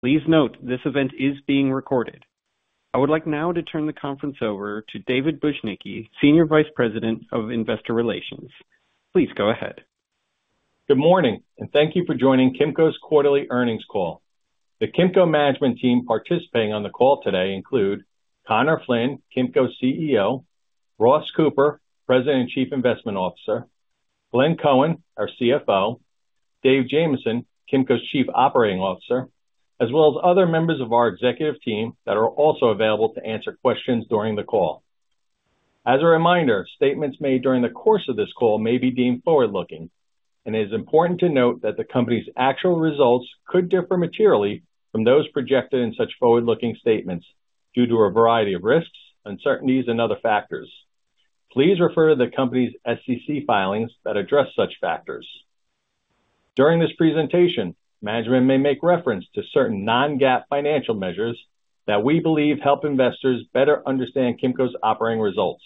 Please note this event is being recorded. I would like now to turn the conference over to David Bujnicki, Senior Vice President of Investor Relations. Please go ahead. Good morning, and thank you for joining Kimco's quarterly earnings call. The Kimco management team participating on the call today include Conor Flynn, Kimco CEO; Ross Cooper, President and Chief Investment Officer; Glenn Cohen, our CFO; Dave Jamieson, Kimco's Chief Operating Officer; as well as other members of our executive team that are also available to answer questions during the call. As a reminder, statements made during the course of this call may be deemed forward-looking, and it is important to note that the company's actual results could differ materially from those projected in such forward-looking statements due to a variety of risks, uncertainties, and other factors. Please refer to the company's SEC filings that address such factors. During this presentation, management may make reference to certain non-GAAP financial measures that we believe help investors better understand Kimco's operating results.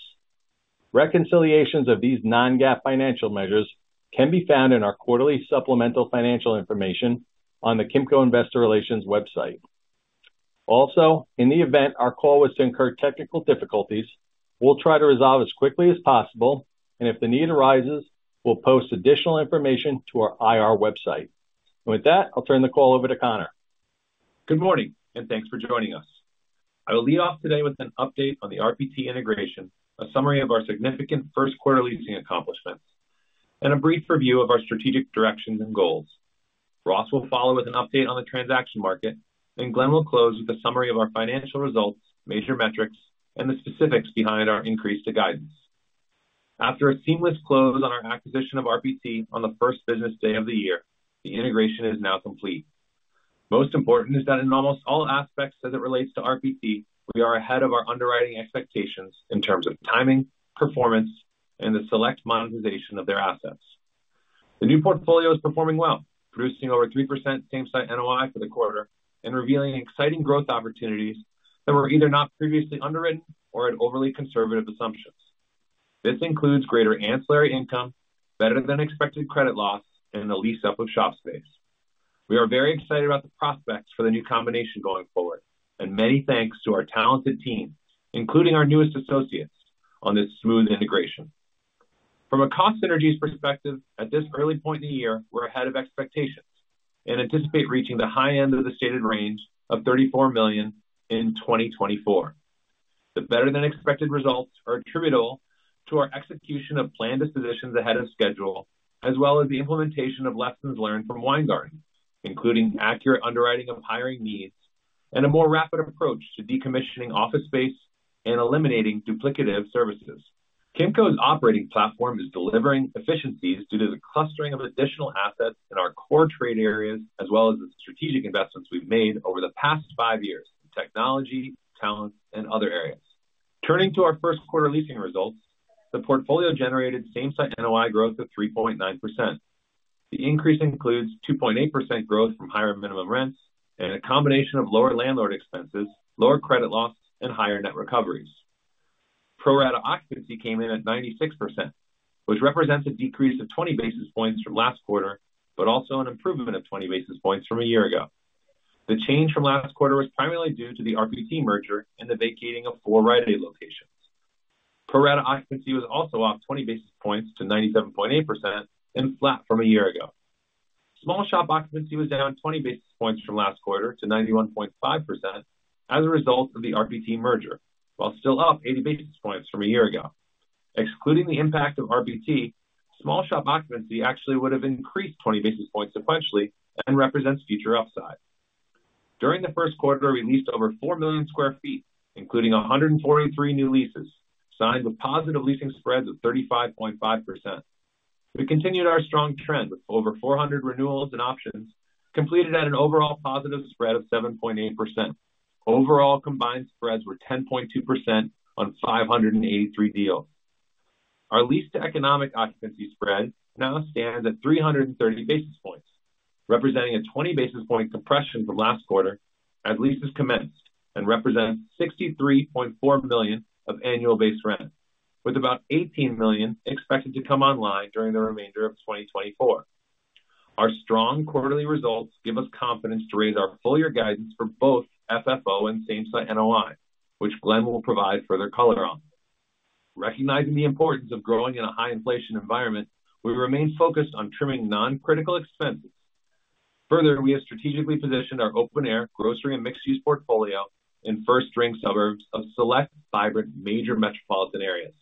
Reconciliations of these non-GAAP financial measures can be found in our quarterly supplemental financial information on the Kimco Investor Relations website. Also, in the event our call was to incur technical difficulties, we'll try to resolve as quickly as possible, and if the need arises, we'll post additional information to our IR website. With that, I'll turn the call over to Conor. Good morning, and thanks for joining us. I will lead off today with an update on the RPT integration, a summary of our significant first-quarter leasing accomplishments, and a brief review of our strategic directions and goals. Ross will follow with an update on the transaction market, and Glenn will close with a summary of our financial results, major metrics, and the specifics behind our increase to guidance. After a seamless close on our acquisition of RPT on the first business day of the year, the integration is now complete. Most important is that in almost all aspects as it relates to RPT, we are ahead of our underwriting expectations in terms of timing, performance, and the select monetization of their assets. The new portfolio is performing well, producing over 3% same-site NOI for the quarter and revealing exciting growth opportunities that were either not previously underwritten or had overly conservative assumptions. This includes greater ancillary income, better-than-expected credit loss, and the lease-up of shop space. We are very excited about the prospects for the new combination going forward, and many thanks to our talented team, including our newest associates, on this smooth integration. From a cost synergies perspective, at this early point in the year, we're ahead of expectations and anticipate reaching the high end of the stated range of $34 million in 2024. The better-than-expected results are attributable to our execution of planned dispositions ahead of schedule, as well as the implementation of lessons learned from Weingarten, including accurate underwriting of hiring needs and a more rapid approach to decommissioning office space and eliminating duplicative services. Kimco's operating platform is delivering efficiencies due to the clustering of additional assets in our core trade areas as well as the strategic investments we've made over the past five years in technology, talent, and other areas. Turning to our first-quarter leasing results, the portfolio generated Same-Site NOI growth of 3.9%. The increase includes 2.8% growth from higher minimum rents and a combination of lower landlord expenses, lower Credit Loss, and higher net recoveries. Pro-rata Occupancy came in at 96%, which represents a decrease of 20 basis points from last quarter but also an improvement of 20 basis points from a year ago. The change from last quarter was primarily due to the RPT merger and the vacating of four Rite Aid locations. Pro-rata Occupancy was also off 20 basis points to 97.8% and flat from a year ago. Small Shop Occupancy was down 20 basis points from last quarter to 91.5% as a result of the RPT merger, while still up 80 basis points from a year ago. Excluding the impact of RPT, Small Shop Occupancy actually would have increased 20 basis points sequentially and represents future upside. During the first quarter, we leased over 4 million sq ft, including 143 new leases, signed with positive leasing spreads of 35.5%. We continued our strong trend with over 400 renewals and options completed at an overall positive spread of 7.8%. Overall combined spreads were 10.2% on 583 deals. Our lease-to-economic occupancy spread now stands at 330 basis points, representing a 20 basis point compression from last quarter as leases commenced and represents $63.4 million of annual base rent, with about $18 million expected to come online during the remainder of 2024. Our strong quarterly results give us confidence to raise our full-year guidance for both FFO and Same-Site NOI, which Glenn will provide further color on. Recognizing the importance of growing in a high-inflation environment, we remain focused on trimming non-critical expenses. Further, we have strategically positioned our open-air grocery and mixed-use portfolio in first-ring suburbs of select vibrant major metropolitan areas.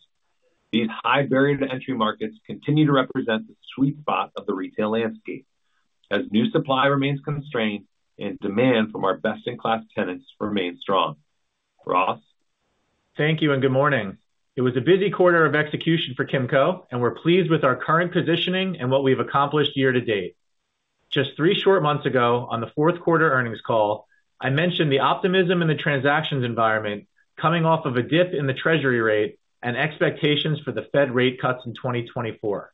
These high barrier-to-entry markets continue to represent the sweet spot of the retail landscape as new supply remains constrained and demand from our best-in-class tenants remains strong. Ross. Thank you and good morning. It was a busy quarter of execution for Kimco, and we're pleased with our current positioning and what we've accomplished year-to-date. Just three short months ago, on the fourth-quarter earnings call, I mentioned the optimism in the transactions environment coming off of a dip in the Treasury rate and expectations for the Fed rate cuts in 2024.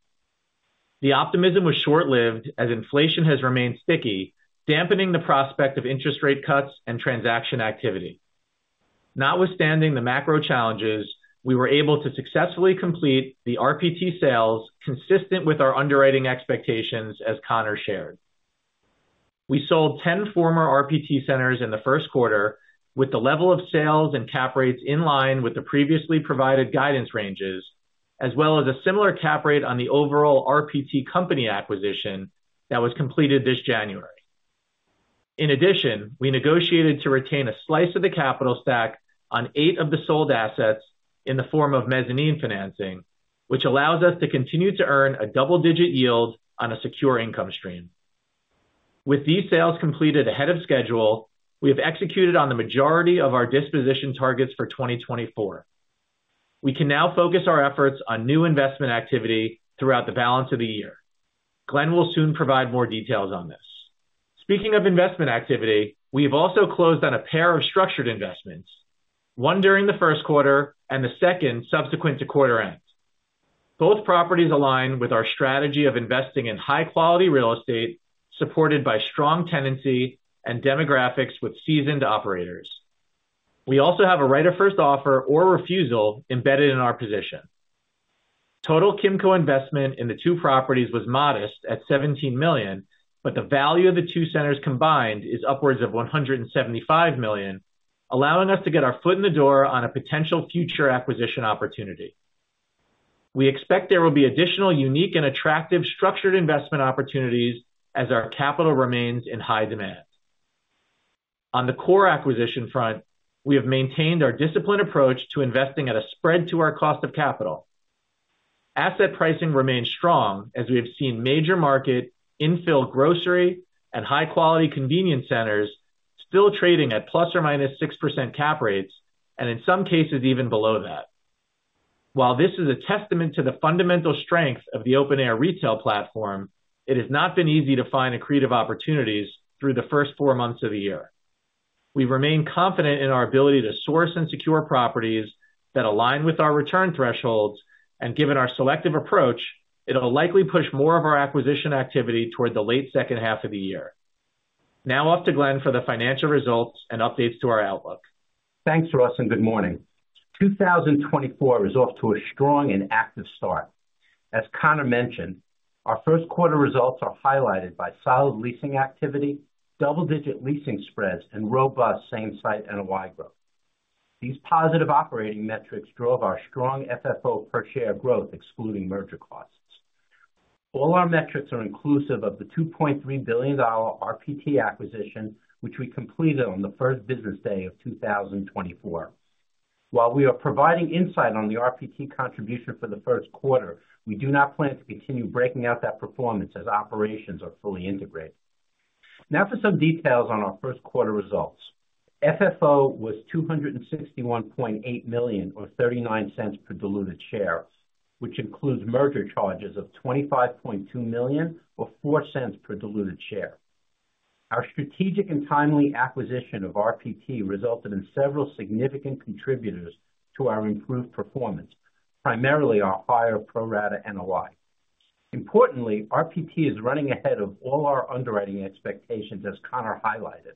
The optimism was short-lived as inflation has remained sticky, dampening the prospect of interest rate cuts and transaction activity. Notwithstanding the macro challenges, we were able to successfully complete the RPT sales consistent with our underwriting expectations, as Conor shared. We sold 10 former RPT centers in the first quarter with the level of sales and cap rates in line with the previously provided guidance ranges, as well as a similar cap rate on the overall RPT company acquisition that was completed this January. In addition, we negotiated to retain a slice of the capital stack on eight of the sold assets in the form of mezzanine financing, which allows us to continue to earn a double-digit yield on a secure income stream. With these sales completed ahead of schedule, we have executed on the majority of our disposition targets for 2024. We can now focus our efforts on new investment activity throughout the balance of the year. Glenn will soon provide more details on this. Speaking of investment activity, we have also closed on a pair of structured investments, one during the first quarter and the second subsequent to quarter end. Both properties align with our strategy of investing in high-quality real estate supported by strong tenancy and demographics with seasoned operators. We also have a right-of-first offer or refusal embedded in our position. Total Kimco investment in the two properties was modest at $17 million, but the value of the two centers combined is upwards of $175 million, allowing us to get our foot in the door on a potential future acquisition opportunity. We expect there will be additional unique and attractive structured investment opportunities as our capital remains in high demand. On the core acquisition front, we have maintained our disciplined approach to investing at a spread to our cost of capital. Asset pricing remains strong as we have seen major market infill grocery and high-quality convenience centers still trading at ±6% cap rates and in some cases even below that. While this is a testament to the fundamental strength of the open-air retail platform, it has not been easy to find accretive opportunities through the first four months of the year. We remain confident in our ability to source and secure properties that align with our return thresholds, and given our selective approach, it'll likely push more of our acquisition activity toward the late second half of the year. Now off to Glenn for the financial results and updates to our outlook. Thanks, Ross, and good morning. 2024 is off to a strong and active start. As Conor mentioned, our first-quarter results are highlighted by solid leasing activity, double-digit leasing spreads, and robust same-site NOI growth. These positive operating metrics drove our strong FFO per share growth, excluding merger costs. All our metrics are inclusive of the $2.3 billion RPT acquisition, which we completed on the first business day of 2024. While we are providing insight on the RPT contribution for the first quarter, we do not plan to continue breaking out that performance as operations are fully integrated. Now for some details on our first-quarter results. FFO was $261.8 million or $0.39 per diluted share, which includes merger charges of $25.2 million or $0.04 per diluted share. Our strategic and timely acquisition of RPT resulted in several significant contributors to our improved performance, primarily our higher pro-rata NOI. Importantly, RPT is running ahead of all our underwriting expectations, as Conor highlighted.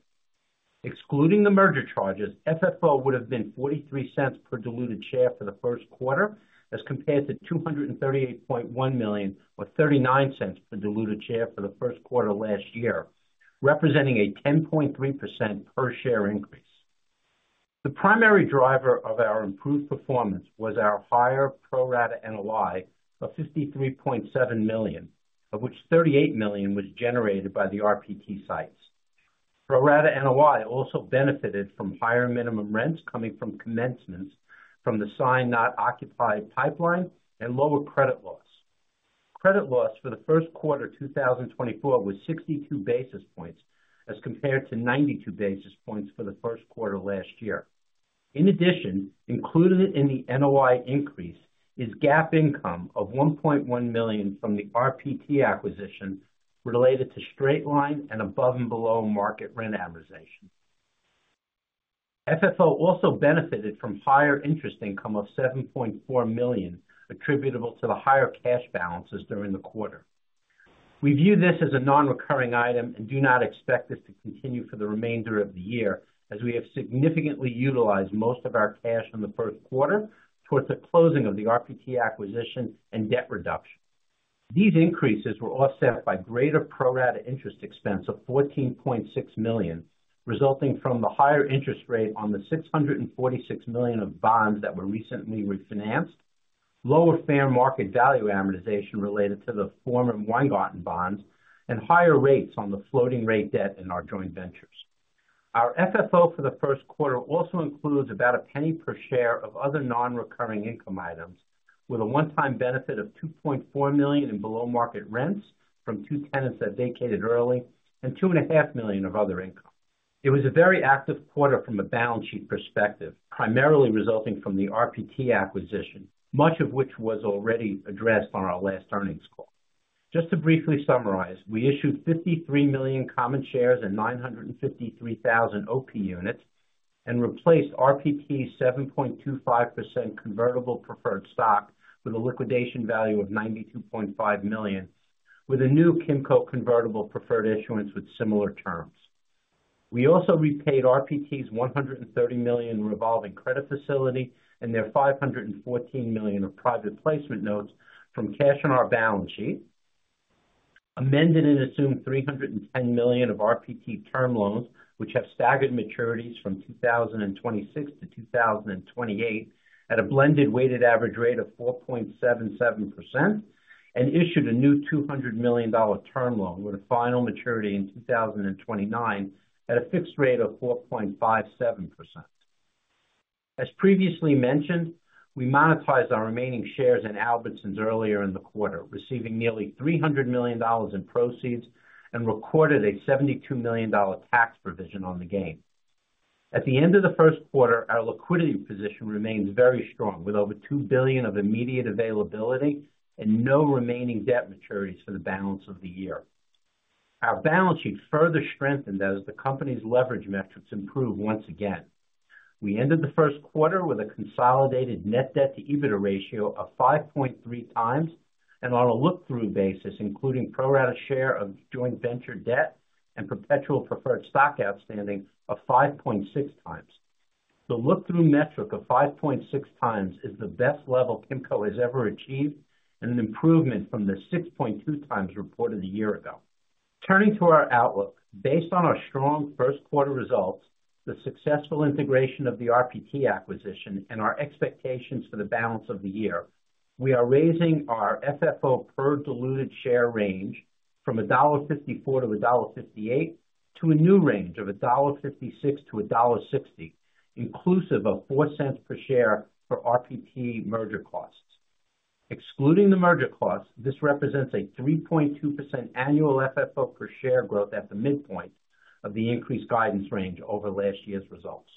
Excluding the merger charges, FFO would have been $0.43 per diluted share for the first quarter as compared to $238.1 million or $0.39 per diluted share for the first quarter last year, representing a 10.3% per share increase. The primary driver of our improve d performance was our higher pro-rata NOI of $53.7 million, of which $38 million was generated by the RPT sites. Pro-rata NOI also benefited from higher minimum rents coming from commencements from the signed-not-occupied pipeline and lower credit loss. Credit loss for the first quarter 2024 was 62 basis points as compared to 92 basis points for the first quarter last year. In addition, included in the NOI increase is GAAP income of $1.1 million from the RPT acquisition related to straight-line and above-and-below market rent amortization. FFO also benefited from higher interest income of $7.4 million attributable to the higher cash balances during the quarter. We view this as a non-recurring item and do not expect this to continue for the remainder of the year as we have significantly utilized most of our cash in the first quarter towards the closing of the RPT acquisition and debt reduction. These increases were offset by greater pro-rata interest expense of $14.6 million, resulting from the higher interest rate on the $646 million of bonds that were recently refinanced, lower fair market value amortization related to the former Weingarten bonds, and higher rates on the floating-rate debt in our joint ventures. Our FFO for the first quarter also includes about $0.01 per share of other non-recurring income items with a one-time benefit of $2.4 million in below-market rents from two tenants that vacated early and $2.5 million of other income. It was a very active quarter from a balance sheet perspective, primarily resulting from the RPT acquisition, much of which was already addressed on our last earnings call. Just to briefly summarize, we issued 53 million common shares and 953,000 OP units and replaced RPT's 7.25% convertible preferred stock with a liquidation value of $92.5 million with a new Kimco convertible preferred issuance with similar terms. We also repaid RPT's $130 million revolving credit facility and their $514 million of private placement notes from cash on our balance sheet, amended and assumed $310 million of RPT term loans, which have staggered maturities from 2026 to 2028 at a blended weighted average rate of 4.77%, and issued a new $200 million term loan with a final maturity in 2029 at a fixed rate of 4.57%. As previously mentioned, we monetized our remaining shares in Albertsons earlier in the quarter, receiving nearly $300 million in proceeds and recorded a $72 million tax provision on the gain. At the end of the first quarter, our liquidity position remains very strong with over $2 billion of immediate availability and no remaining debt maturities for the balance of the year. Our balance sheet further strengthened as the company's leverage metrics improved once again. We ended the first quarter with a consolidated net debt-to-EBITDA ratio of 5.3x and on a look-through basis, including pro-rata share of joint venture debt and perpetual preferred stock outstanding of 5.6x. The look-through metric of 5.6x is the best level Kimco has ever achieved and an improvement from the 6.2x reported a year ago. Turning to our outlook, based on our strong first-quarter results, the successful integration of the RPT acquisition, and our expectations for the balance of the year, we are raising our FFO per diluted share range from $1.54-$1.58 to a new range of $1.56-$1.60, inclusive of $0.04 per share for RPT merger costs. Excluding the merger costs, this represents a 3.2% annual FFO per share growth at the midpoint of the increased guidance range over last year's results.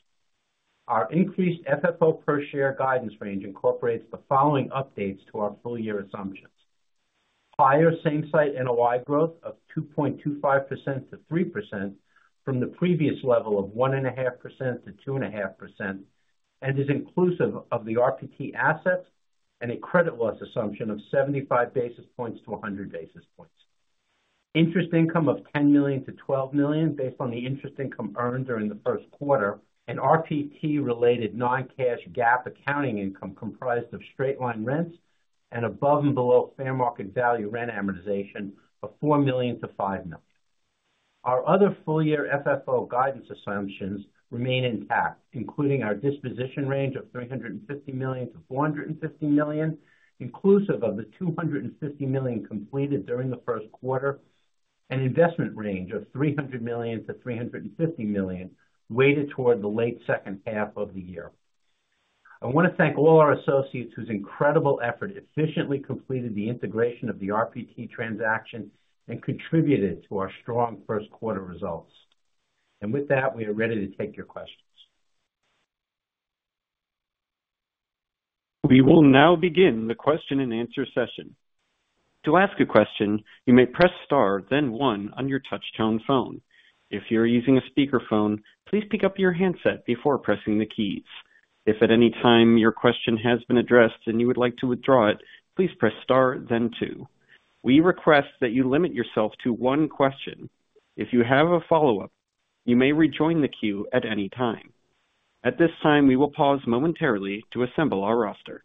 Our increased FFO per share guidance range incorporates the following updates to our full-year assumptions: higher Same-Site NOI growth of 2.25%-3% from the previous level of 1.5%-2.5%, and is inclusive of the RPT assets and a Credit Loss assumption of 75-100 basis points; interest income of $10 million-$12 million based on the interest income earned during the first quarter; and RPT-related non-cash GAAP accounting income comprised of straight-line rents and above-and-below fair market value rent amortization of $4 million-$5 million. Our other full-year FFO guidance assumptions remain intact, including our disposition range of $350 million-$450 million, inclusive of the $250 million completed during the first quarter, and investment range of $300 million-$350 million weighted toward the late second half of the year. I want to thank all our associates whose incredible effort efficiently completed the integration of the RPT transaction and contributed to our strong first-quarter results. With that, we are ready to take your questions. We will now begin the question-and-answer session. To ask a question, you may press star, then one, on your touch-tone phone. If you're using a speakerphone, please pick up your handset before pressing the keys. If at any time your question has been addressed and you would like to withdraw it, please press star, then two. We request that you limit yourself to one question. If you have a follow-up, you may rejoin the queue at any time. At this time, we will pause momentarily to assemble our roster.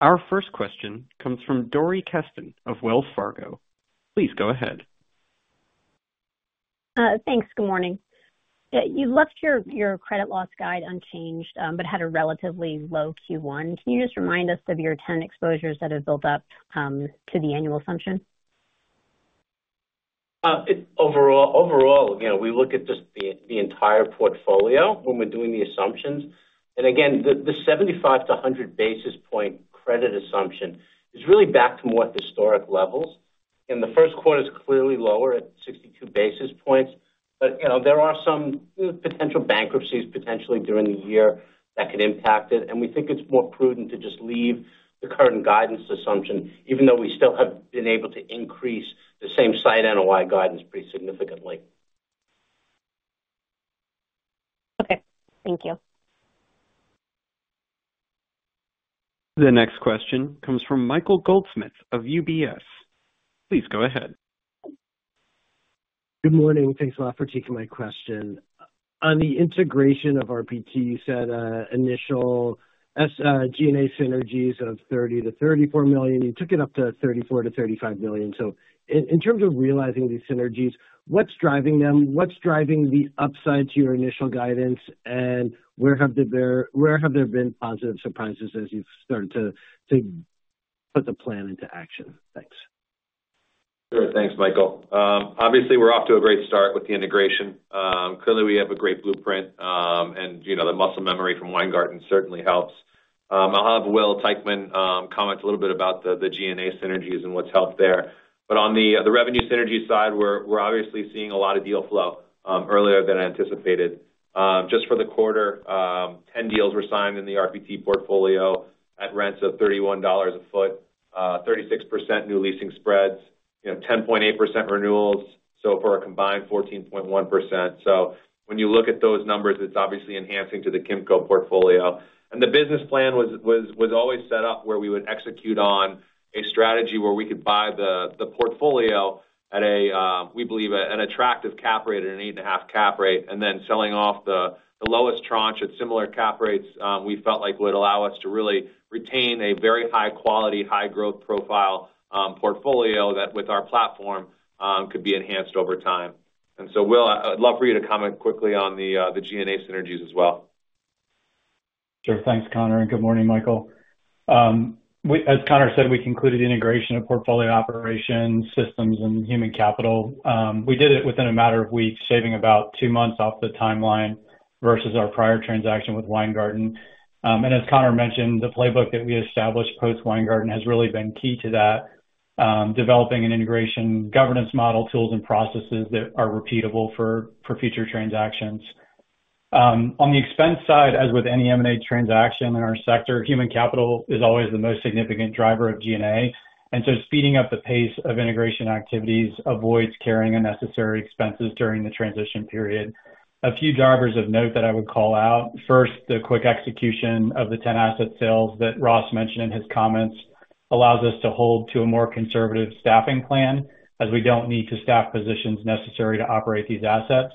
Our first question comes from Dori Kesten of Wells Fargo. Please go ahead. Thanks. Good morning. You left your credit loss guide unchanged but had a relatively low Q1. Can you just remind us of your 10 exposures that have built up to the annual assumption? Overall, we look at just the entire portfolio when we're doing the assumptions. And again, the 75-100 basis point credit assumption is really back to more historic levels. In the first quarter, it's clearly lower at 62 basis points. But there are some potential bankruptcies potentially during the year that could impact it. And we think it's more prudent to just leave the current guidance assumption, even though we still have been able to increase the Same-Site NOI guidance pretty significantly. Okay. Thank you. The next question comes from Michael Goldsmith of UBS. Please go ahead. Good morning. Thanks a lot for taking my question. On the integration of RPT, you said initial G&A synergies of $30 million-$34 million. You took it up to $34 million-$35 million. So in terms of realizing these synergies, what's driving them? What's driving the upside to your initial guidance? And where have there been positive surprises as you've started to put the plan into action? Thanks. Sure. Thanks, Michael. Obviously, we're off to a great start with the integration. Clearly, we have a great blueprint, and the muscle memory from Weingarten certainly helps. I'll have Will Teichman comment a little bit about the G&A synergies and what's helped there. But on the revenue synergy side, we're obviously seeing a lot of deal flow earlier than anticipated. Just for the quarter, 10 deals were signed in the RPT portfolio at rents of $31 a foot, 36% new leasing spreads, 10.8% renewals. So for a combined, 14.1%. So when you look at those numbers, it's obviously enhancing to the Kimco portfolio. The business plan was always set up where we would execute on a strategy where we could buy the portfolio at, we believe, an attractive cap rate, at an 8.5% cap rate, and then selling off the lowest tranche at similar cap rates we felt would allow us to really retain a very high-quality, high-growth profile portfolio that, with our platform, could be enhanced over time. So, Will, I'd love for you to comment quickly on the G&A synergies as well. Sure. Thanks, Conor. And good morning, Michael. As Conor said, we concluded integration of portfolio operations, systems, and human capital. We did it within a matter of weeks, shaving about two months off the timeline versus our prior transaction with Weingarten. And as Conor mentioned, the playbook that we established post-Weingarten has really been key to that, developing an integration governance model, tools, and processes that are repeatable for future transactions. On the expense side, as with any M&A transaction in our sector, human capital is always the most significant driver of G&A. And so speeding up the pace of integration activities avoids carrying unnecessary expenses during the transition period. A few drivers of note that I would call out. First, the quick execution of the 10 asset sales that Ross mentioned in his comments allows us to hold to a more conservative staffing plan as we don't need to staff positions necessary to operate these assets.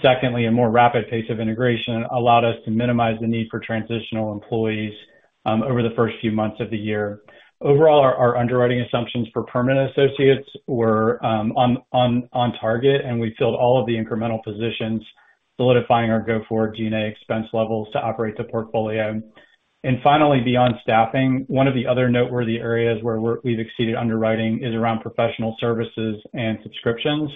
Secondly, a more rapid pace of integration allowed us to minimize the need for transitional employees over the first few months of the year. Overall, our underwriting assumptions for permanent associates were on target, and we filled all of the incremental positions, solidifying our go-forward G&A expense levels to operate the portfolio. Finally, beyond staffing, one of the other noteworthy areas where we've exceeded underwriting is around professional services and subscriptions.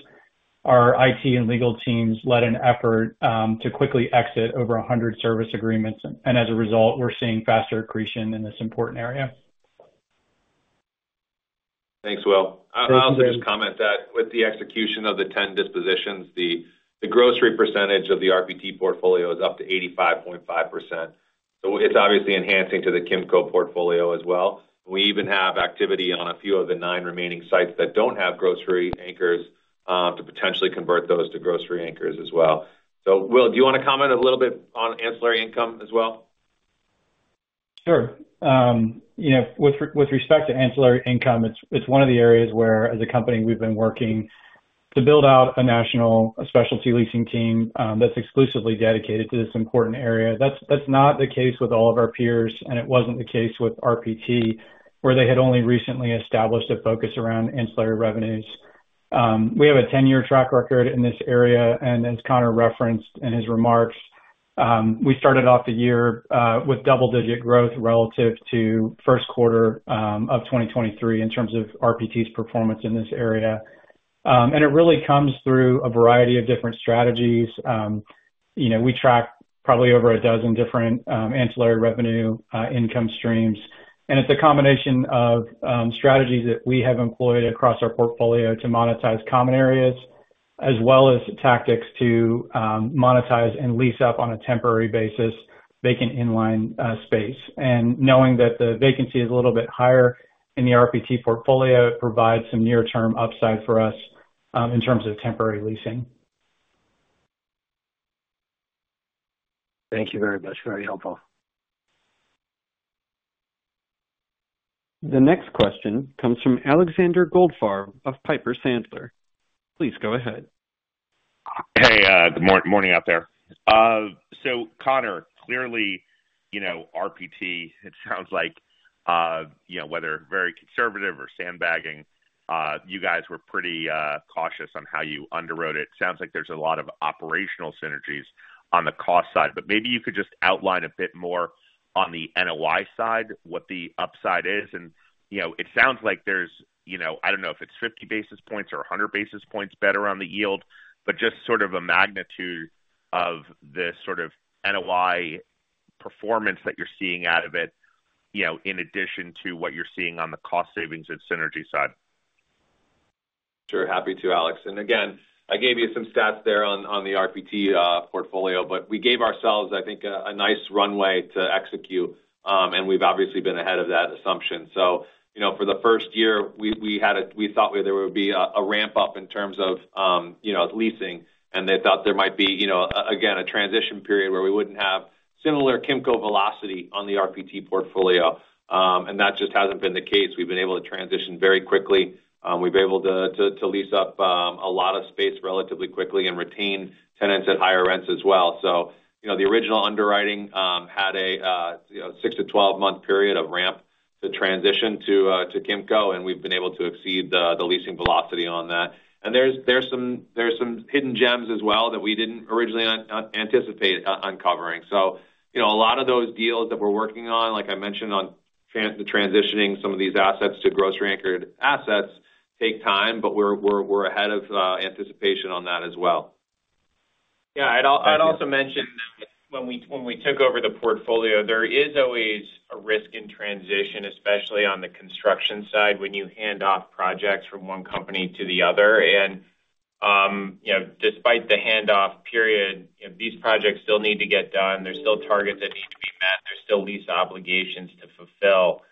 Our IT and legal teams led an effort to quickly exit over 100 service agreements. As a result, we're seeing faster accretion in this important area. Thanks, Will. I also just comment that with the execution of the 10 dispositions, the grocery percentage of the RPT portfolio is up to 85.5%. So it's obviously enhancing to the Kimco portfolio as well. We even have activity on a few of the nine remaining sites that don't have grocery anchors to potentially convert those to grocery anchors as well. So, Will, do you want to comment a little bit on ancillary income as well? Sure. With respect to ancillary income, it's one of the areas where, as a company, we've been working to build out a national specialty leasing team that's exclusively dedicated to this important area. That's not the case with all of our peers, and it wasn't the case with RPT, where they had only recently established a focus around ancillary revenues. We have a 10-year track record in this area. As Conor referenced in his remarks, we started off the year with double-digit growth relative to first quarter of 2023 in terms of RPT's performance in this area. It really comes through a variety of different strategies. We track probably over a dozen different ancillary revenue income streams. It's a combination of strategies that we have employed across our portfolio to monetize common areas, as well as tactics to monetize and lease up on a temporary basis vacant inline space. Knowing that the vacancy is a little bit higher in the RPT portfolio, it provides some near-term upside for us in terms of temporary leasing. Thank you very much. Very helpful. The next question comes from Alexander Goldfarb of Piper Sandler. Please go ahead. Hey. Good morning out there. So, Conor, clearly, RPT, it sounds like, whether very conservative or sandbagging, you guys were pretty cautious on how you underwrote it. Sounds like there's a lot of operational synergies on the cost side. But maybe you could just outline a bit more on the NOI side, what the upside is. And it sounds like there's, I don't know if it's 50 basis points or 100 basis points better on the yield, but just sort of a magnitude of the sort of NOI performance that you're seeing out of it in addition to what you're seeing on the cost savings and synergy side. Sure. Happy to, Alex. And again, I gave you some stats there on the RPT portfolio, but we gave ourselves, I think, a nice runway to execute. And we've obviously been ahead of that assumption. So for the first year, we thought there would be a ramp-up in terms of leasing. And they thought there might be, again, a transition period where we wouldn't have similar Kimco velocity on the RPT portfolio. And that just hasn't been the case. We've been able to transition very quickly. We've been able to lease up a lot of space relatively quickly and retain tenants at higher rents as well. So the original underwriting had a six to 12-month period of ramp to transition to Kimco, and we've been able to exceed the leasing velocity on that. And there's some hidden gems as well that we didn't originally anticipate uncovering. So a lot of those deals that we're working on, like I mentioned, on transitioning some of these assets to grocery-anchored assets take time, but we're ahead of anticipation on that as well. Yeah. I'd also mention that when we took over the portfolio, there is always a risk in transition, especially on the construction side when you hand off projects from one company to the other. Despite the handoff period, these projects still need to get done. There's still targets that need to be met. There's still lease obligations to fulfill.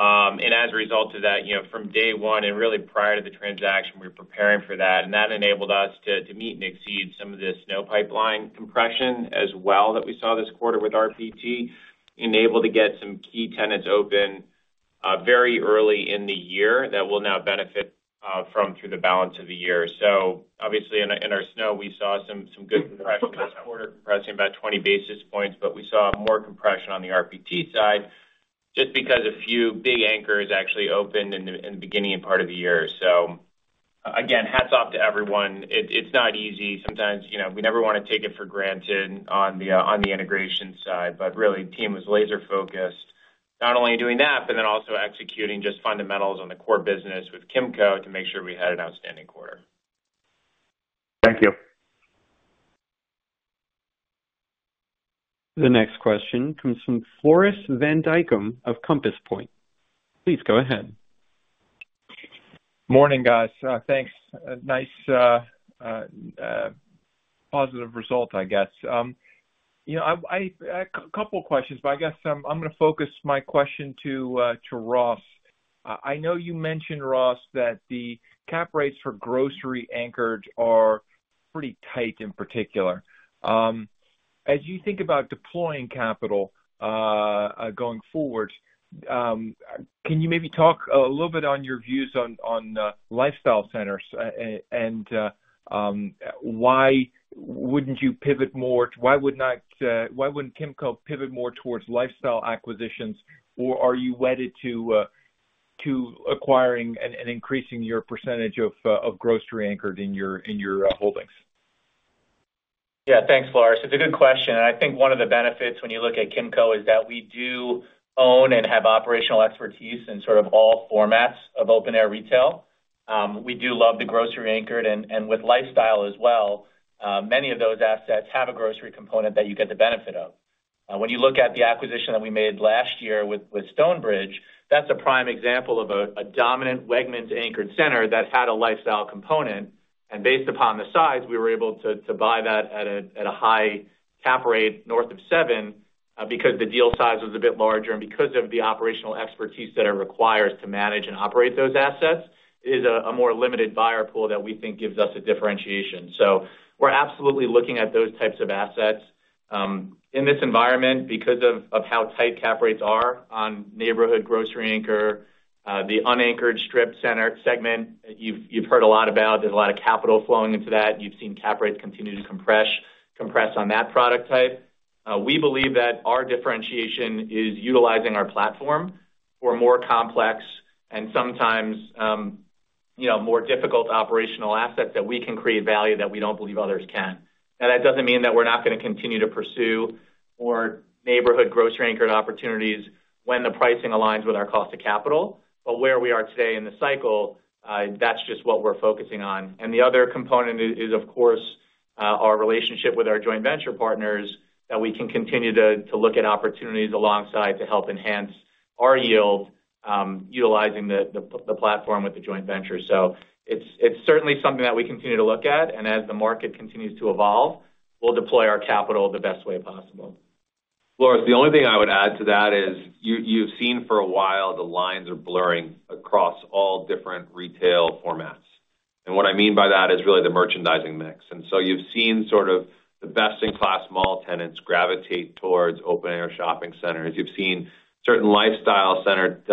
As a result of that, from day one and really prior to the transaction, we were preparing for that. That enabled us to meet and exceed some of the SNO pipeline compression as well that we saw this quarter with RPT, enabled to get some key tenants open very early in the year that we'll now benefit from through the balance of the year. So obviously, in our SNO, we saw some good compression, this quarter compressing about 20 basis points. But we saw more compression on the RPT side just because a few big anchors actually opened in the beginning part of the year. So again, hats off to everyone. It's not easy. Sometimes we never want to take it for granted on the integration side. But really, the team was laser-focused not only doing that but then also executing just fundamentals on the core business with Kimco to make sure we had an outstanding quarter. Thank you. The next question comes from Floris van Dijkum of Compass Point. Please go ahead. Morning, guys. Thanks. Nice positive result, I guess. I have a couple of questions, but I guess I'm going to focus my question to Ross. I know you mentioned, Ross, that the cap rates for grocery-anchored are pretty tight in particular. As you think about deploying capital going forward, can you maybe talk a little bit on your views on lifestyle centers and why wouldn't you pivot more why wouldn't Kimco pivot more towards lifestyle acquisitions, or are you wedded to acquiring and increasing your percentage of grocery-anchored in your holdings? Yeah. Thanks, Floris. It's a good question. I think one of the benefits when you look at Kimco is that we do own and have operational expertise in sort of all formats of open-air retail. We do love the grocery-anchored. With lifestyle as well, many of those assets have a grocery component that you get the benefit of. When you look at the acquisition that we made last year with Stonebridge, that's a prime example of a dominant Wegmans-anchored center that had a lifestyle component. Based upon the size, we were able to buy that at a high cap rate north of seven because the deal size was a bit larger. Because of the operational expertise that it requires to manage and operate those assets, it is a more limited buyer pool that we think gives us a differentiation. So we're absolutely looking at those types of assets in this environment because of how tight cap rates are on neighborhood grocery-anchor, the unanchored strip segment you've heard a lot about. There's a lot of capital flowing into that. You've seen cap rates continue to compress on that product type. We believe that our differentiation is utilizing our platform for more complex and sometimes more difficult operational assets that we can create value that we don't believe others can. Now, that doesn't mean that we're not going to continue to pursue more neighborhood grocery-anchored opportunities when the pricing aligns with our cost of capital. But where we are today in the cycle, that's just what we're focusing on. The other component is, of course, our relationship with our joint venture partners that we can continue to look at opportunities alongside to help enhance our yield utilizing the platform with the joint venture. So it's certainly something that we continue to look at. As the market continues to evolve, we'll deploy our capital the best way possible. Floris, the only thing I would add to that is you've seen for a while the lines are blurring across all different retail formats. What I mean by that is really the merchandising mix. You've seen sort of the best-in-class mall tenants gravitate towards open-air shopping centers. You've seen certain lifestyle-centered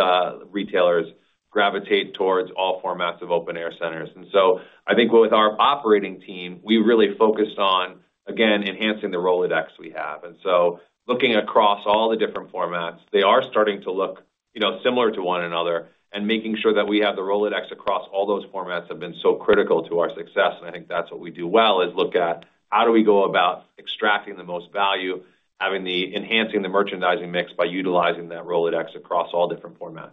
retailers gravitate towards all formats of open-air centers. I think with our operating team, we really focused on, again, enhancing the Rolodex we have. Looking across all the different formats, they are starting to look similar to one another and making sure that we have the Rolodex across all those formats have been so critical to our success. I think that's what we do well, is look at how do we go about extracting the most value, enhancing the merchandising mix by utilizing that Rolodex across all different formats.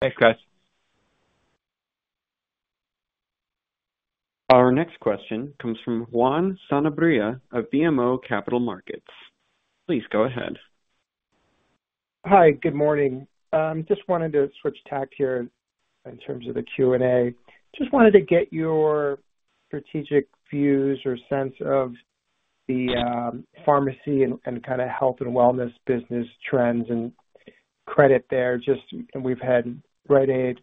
Thanks, guys. Our next question comes from Juan Sanabria of BMO Capital Markets. Please go ahead. Hi. Good morning. I just wanted to switch tack here in terms of the Q&A. Just wanted to get your strategic views or sense of the pharmacy and kind of health and wellness business trends and credit there. We've had Rite Aid,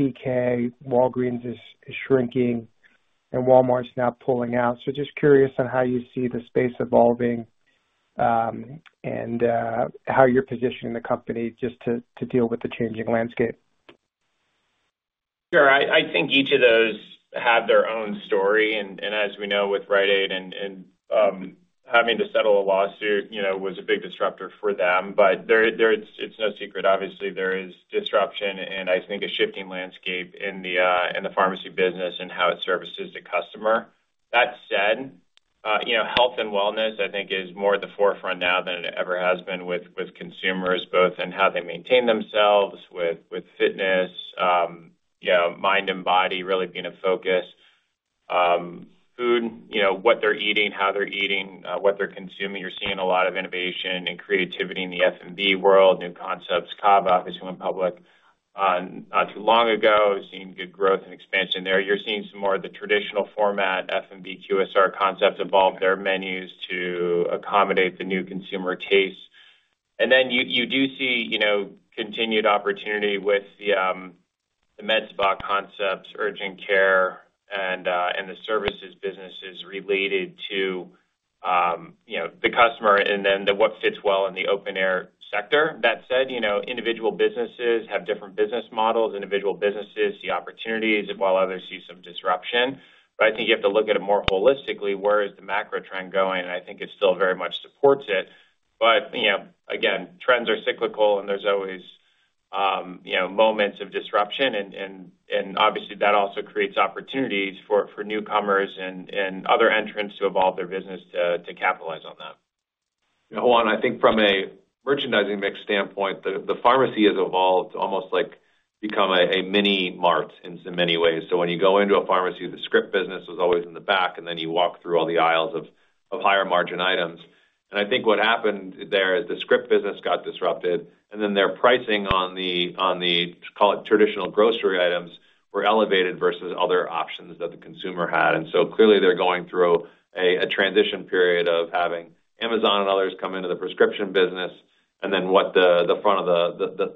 BK, Walgreens is shrinking, and Walmart's now pulling out. So just curious on how you see the space evolving and how you're positioning the company just to deal with the changing landscape. Sure. I think each of those have their own story. And as we know with Rite Aid and having to settle a lawsuit was a big disruptor for them. But it's no secret, obviously, there is disruption and, I think, a shifting landscape in the pharmacy business and how it services the customer. That said, health and wellness, I think, is more at the forefront now than it ever has been with consumers, both in how they maintain themselves, with fitness, mind and body really being a focus, food, what they're eating, how they're eating, what they're consuming. You're seeing a lot of innovation and creativity in the F&B world, new concepts, Cava, obviously, went public not too long ago. You're seeing good growth and expansion there. You're seeing some more of the traditional format, F&B, QSR concepts evolve their menus to accommodate the new consumer taste. You do see continued opportunity with the MedSpa concepts, urgent care, and the services businesses related to the customer and then what fits well in the open-air sector. That said, individual businesses have different business models. Individual businesses see opportunities while others see some disruption. I think you have to look at it more holistically. Where is the macro trend going? I think it still very much supports it. Again, trends are cyclical, and there's always moments of disruption. Obviously, that also creates opportunities for newcomers and other entrants to evolve their business to capitalize on that. Yeah. Juan, I think from a merchandising mix standpoint, the pharmacy has evolved to almost become a mini-mart in many ways. So when you go into a pharmacy, the script business was always in the back, and then you walk through all the aisles of higher-margin items. And I think what happened there is the script business got disrupted, and then their pricing on the, call it, traditional grocery items were elevated versus other options that the consumer had. And so clearly, they're going through a transition period of having Amazon and others come into the prescription business and then what the front of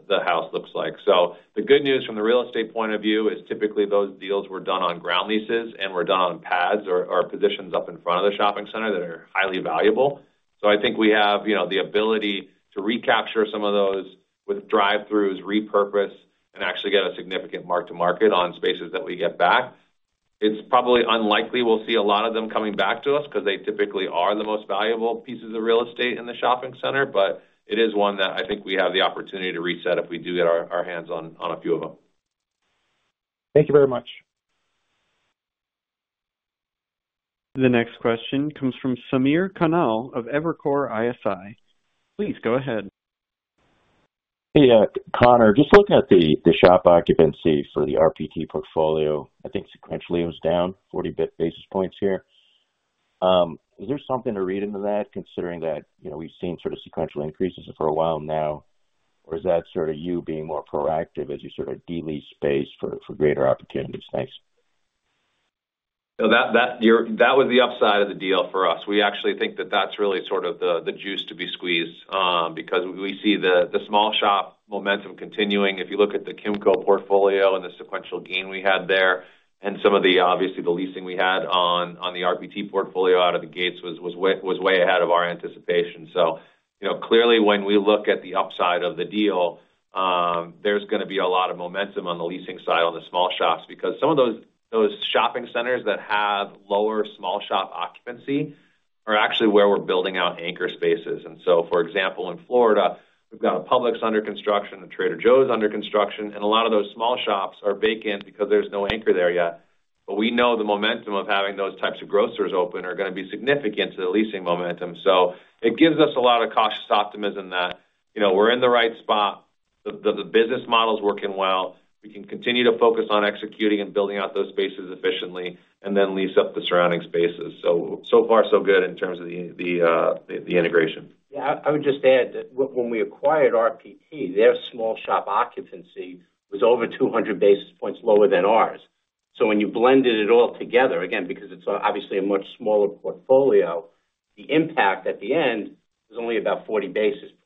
the house looks like. So the good news from the real estate point of view is typically those deals were done on ground leases and were done on pads or positions up in front of the shopping center that are highly valuable. So I think we have the ability to recapture some of those with drive-throughs, repurpose, and actually get a significant mark-to-market on spaces that we get back. It's probably unlikely we'll see a lot of them coming back to us because they typically are the most valuable pieces of real estate in the shopping center. But it is one that I think we have the opportunity to reset if we do get our hands on a few of them. Thank you very much. The next question comes from Samir Khanal of Evercore ISI. Please go ahead. Hey, Conor. Just looking at the shop occupancy for the RPT portfolio, I think sequentially it was down 40 basis points here. Is there something to read into that considering that we've seen sort of sequential increases for a while now? Or is that sort of you being more proactive as you sort of delease space for greater opportunities? Thanks. No, that was the upside of the deal for us. We actually think that that's really sort of the juice to be squeezed because we see the small shop momentum continuing. If you look at the Kimco portfolio and the sequential gain we had there and some of the, obviously, the leasing we had on the RPT portfolio out of the gates was way ahead of our anticipation. So clearly, when we look at the upside of the deal, there's going to be a lot of momentum on the leasing side on the small shops because some of those shopping centers that have lower small shop occupancy are actually where we're building out anchor spaces. And so for example, in Florida, we've got a Publix under construction, a Trader Joe's under construction, and a lot of those small shops are vacant because there's no anchor there yet. But we know the momentum of having those types of grocers open are going to be significant to the leasing momentum. So it gives us a lot of cautious optimism that we're in the right spot, the business model's working well, we can continue to focus on executing and building out those spaces efficiently, and then lease up the surrounding spaces. So far, so good in terms of the integration. Yeah. I would just add that when we acquired RPT, their small shop occupancy was over 200 basis points lower than ours. So when you blended it all together, again, because it's obviously a much smaller portfolio, the impact at the end was only about 40 basis points.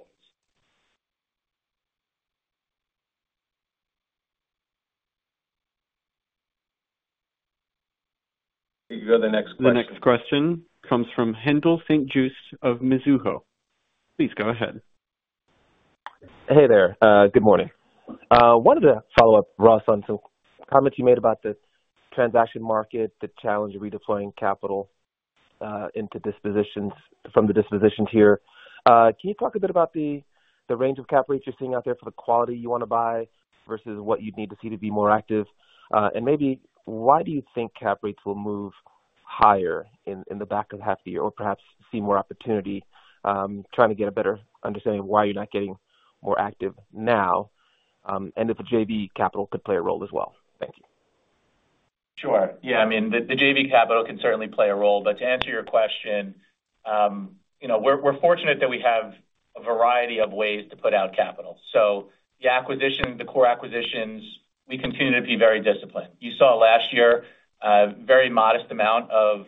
We can go to the next question. The next question comes from Haendel St. Juste of Mizuho. Please go ahead. Hey there. Good morning. I wanted to follow up, Ross, on some comments you made about the transaction market, the challenge of redeploying capital from the dispositions here. Can you talk a bit about the range of cap rates you're seeing out there for the quality you want to buy versus what you'd need to see to be more active? And maybe why do you think cap rates will move higher in the back half of the year or perhaps see more opportunity, trying to get a better understanding of why you're not getting more active now, and if the JV capital could play a role as well? Thank you. Sure. Yeah. I mean, the JV capital could certainly play a role. But to answer your question, we're fortunate that we have a variety of ways to put out capital. So the core acquisitions, we continue to be very disciplined. You saw last year a very modest amount of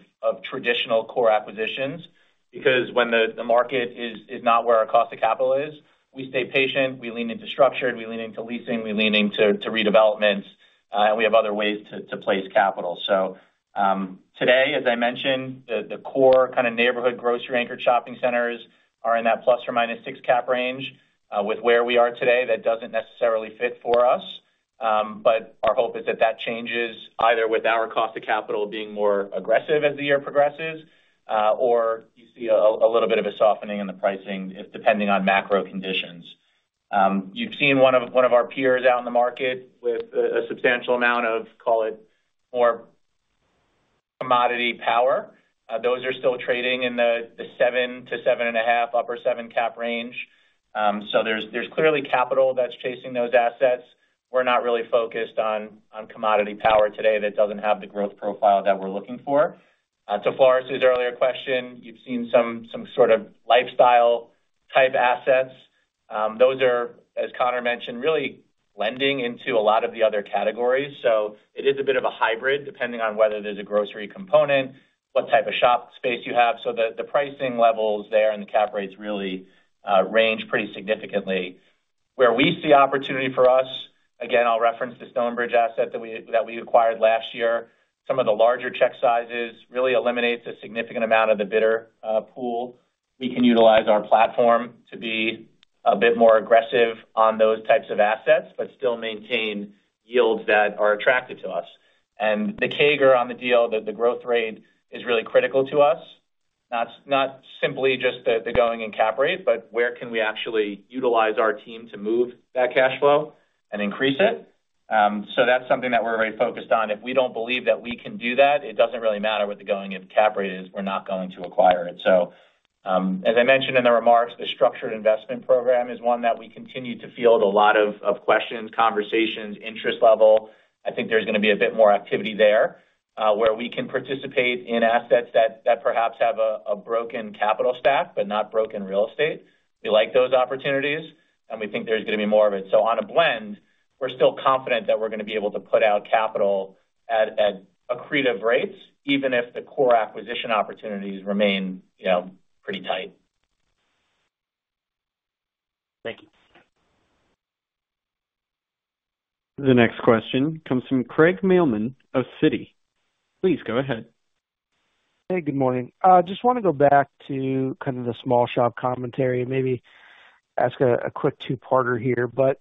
traditional core acquisitions because when the market is not where our cost of capital is, we stay patient. We lean into structured. We lean into leasing. We lean into redevelopments. And we have other ways to place capital. So today, as I mentioned, the core kind of neighborhood grocery-anchored shopping centers are in that ±6 cap range. With where we are today, that doesn't necessarily fit for us. But our hope is that that changes either with our cost of capital being more aggressive as the year progresses or you see a little bit of a softening in the pricing depending on macro conditions. You've seen one of our peers out in the market with a substantial amount of, call it, more commodity power. Those are still trading in the 7-7.5, upper 7 cap range. So there's clearly capital that's chasing those assets. We're not really focused on commodity power today that doesn't have the growth profile that we're looking for. To Floris's earlier question, you've seen some sort of lifestyle-type assets. Those are, as Conor mentioned, really blending into a lot of the other categories. So it is a bit of a hybrid depending on whether there's a grocery component, what type of shop space you have. So the pricing levels there and the cap rates really range pretty significantly. Where we see opportunity for us, again, I'll reference the Stonebridge asset that we acquired last year. Some of the larger check sizes really eliminate a significant amount of the bidder pool. We can utilize our platform to be a bit more aggressive on those types of assets but still maintain yields that are attractive to us. And the CAGR on the deal, the growth rate, is really critical to us. Not simply just the going in cap rate, but where can we actually utilize our team to move that cash flow and increase it? So that's something that we're very focused on. If we don't believe that we can do that, it doesn't really matter what the going in cap rate is. We're not going to acquire it. As I mentioned in the remarks, the structured investment program is one that we continue to field a lot of questions, conversations, interest level. I think there's going to be a bit more activity there where we can participate in assets that perhaps have a broken capital stack but not broken real estate. We like those opportunities, and we think there's going to be more of it. So on a blend, we're still confident that we're going to be able to put out capital at accretive rates even if the core acquisition opportunities remain pretty tight. Thank you. The next question comes from Craig Mailman of Citi. Please go ahead. Hey. Good morning. I just want to go back to kind of the small shop commentary and maybe ask a quick two-parter here. But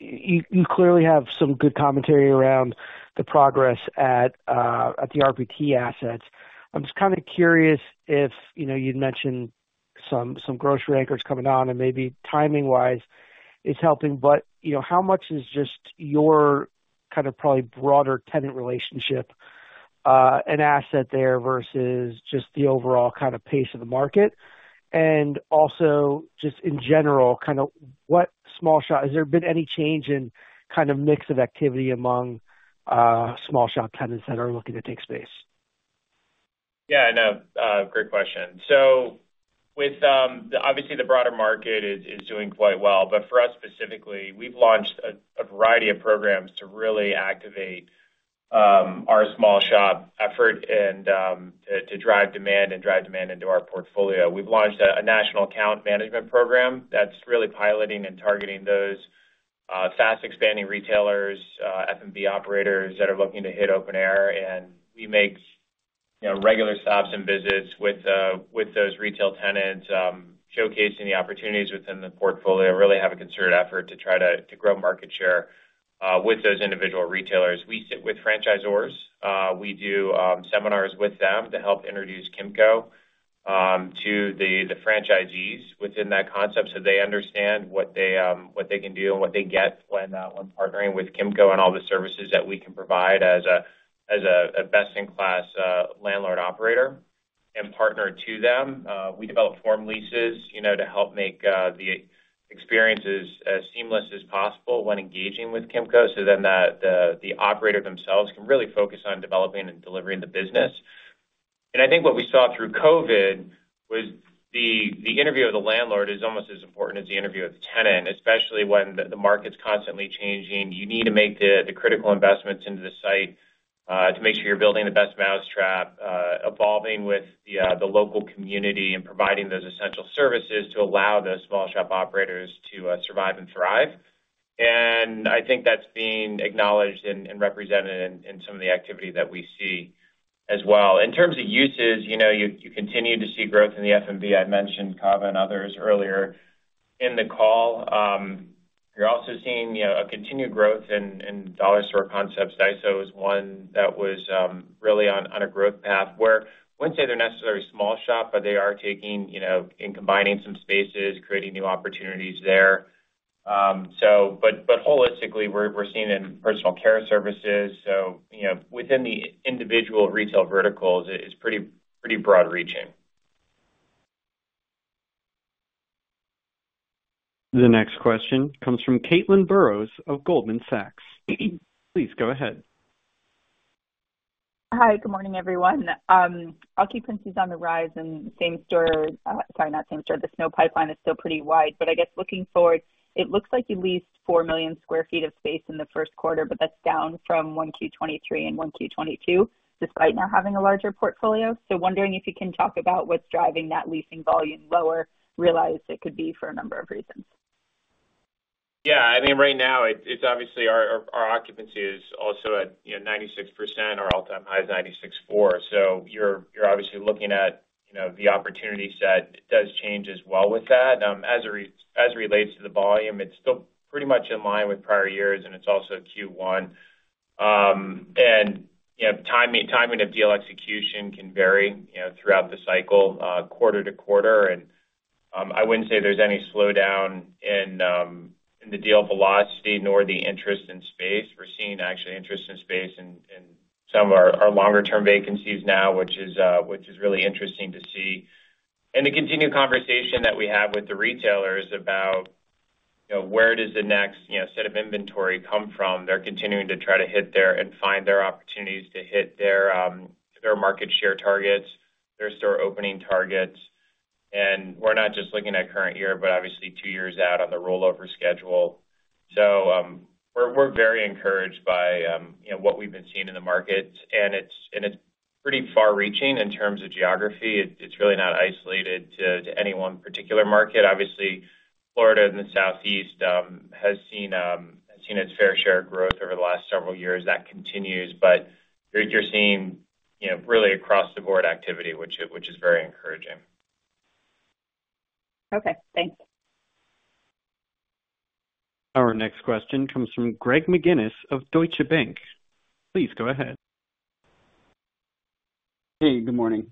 you clearly have some good commentary around the progress at the RPT assets. I'm just kind of curious if you'd mentioned some grocery anchors coming on and maybe timing-wise is helping. But how much is just your kind of probably broader tenant relationship an asset there versus just the overall kind of pace of the market? And also just in general, kind of what small shop has there been any change in kind of mix of activity among small shop tenants that are looking to take space? Yeah. No. Great question. So obviously, the broader market is doing quite well. But for us specifically, we've launched a variety of programs to really activate our small shop effort and to drive demand and drive demand into our portfolio. We've launched a national account management program that's really piloting and targeting those fast-expanding retailers, F&B operators that are looking to hit open air. And we make regular stops and visits with those retail tenants, showcasing the opportunities within the portfolio, really have a concerted effort to try to grow market share with those individual retailers. We sit with franchisors. We do seminars with them to help introduce Kimco to the franchisees within that concept so they understand what they can do and what they get when partnering with Kimco and all the services that we can provide as a best-in-class landlord operator and partner to them. We develop form leases to help make the experiences as seamless as possible when engaging with Kimco so then the operator themselves can really focus on developing and delivering the business. And I think what we saw through COVID was the interview of the landlord is almost as important as the interview of the tenant, especially when the market's constantly changing. You need to make the critical investments into the site to make sure you're building the best mousetrap, evolving with the local community, and providing those essential services to allow those small shop operators to survive and thrive. And I think that's being acknowledged and represented in some of the activity that we see as well. In terms of uses, you continue to see growth in the F&B. I mentioned Cava and others earlier in the call. You're also seeing a continued growth in Dollar Store concepts. Daiso was one that was really on a growth path where we wouldn't say they're necessarily small shop, but they are taking and combining some spaces, creating new opportunities there. But holistically, we're seeing in personal care services. So within the individual retail verticals, it's pretty broad-reaching. The next question comes from Caitlin Burrows of Goldman Sachs. Please go ahead. Hi. Good morning, everyone. I'll keep it brief on the rise. And same-store sorry, not same-store. The SNO pipeline is still pretty wide. But I guess looking forward, it looks like you leased 4 million sq ft of space in the first quarter, but that's down from 1Q 2023 and 1Q 2022 despite now having a larger portfolio. So wondering if you can talk about what's driving that leasing volume lower, realize it could be for a number of reasons. Yeah. I mean, right now, obviously, our occupancy is also at 96%. Our all-time high is 96.4%. So you're obviously looking at the opportunity set. It does change as well with that. As it relates to the volume, it's still pretty much in line with prior years, and it's also Q1. Timing of deal execution can vary throughout the cycle, quarter to quarter. I wouldn't say there's any slowdown in the deal velocity nor the interest in space. We're seeing actually interest in space in some of our longer-term vacancies now, which is really interesting to see. The continued conversation that we have with the retailers about where does the next set of inventory come from, they're continuing to try to hit there and find their opportunities to hit their market share targets, their store opening targets. We're not just looking at current year, but obviously, two years out on the rollover schedule. We're very encouraged by what we've been seeing in the market. It's pretty far-reaching in terms of geography. It's really not isolated to any 1 particular market. Obviously, Florida and the Southeast has seen its fair share of growth over the last several years. That continues. You're seeing really across-the-board activity, which is very encouraging. Okay. Thanks. Our next question comes from Greg McGinniss of Deutsche Bank. Please go ahead. Hey. Good morning.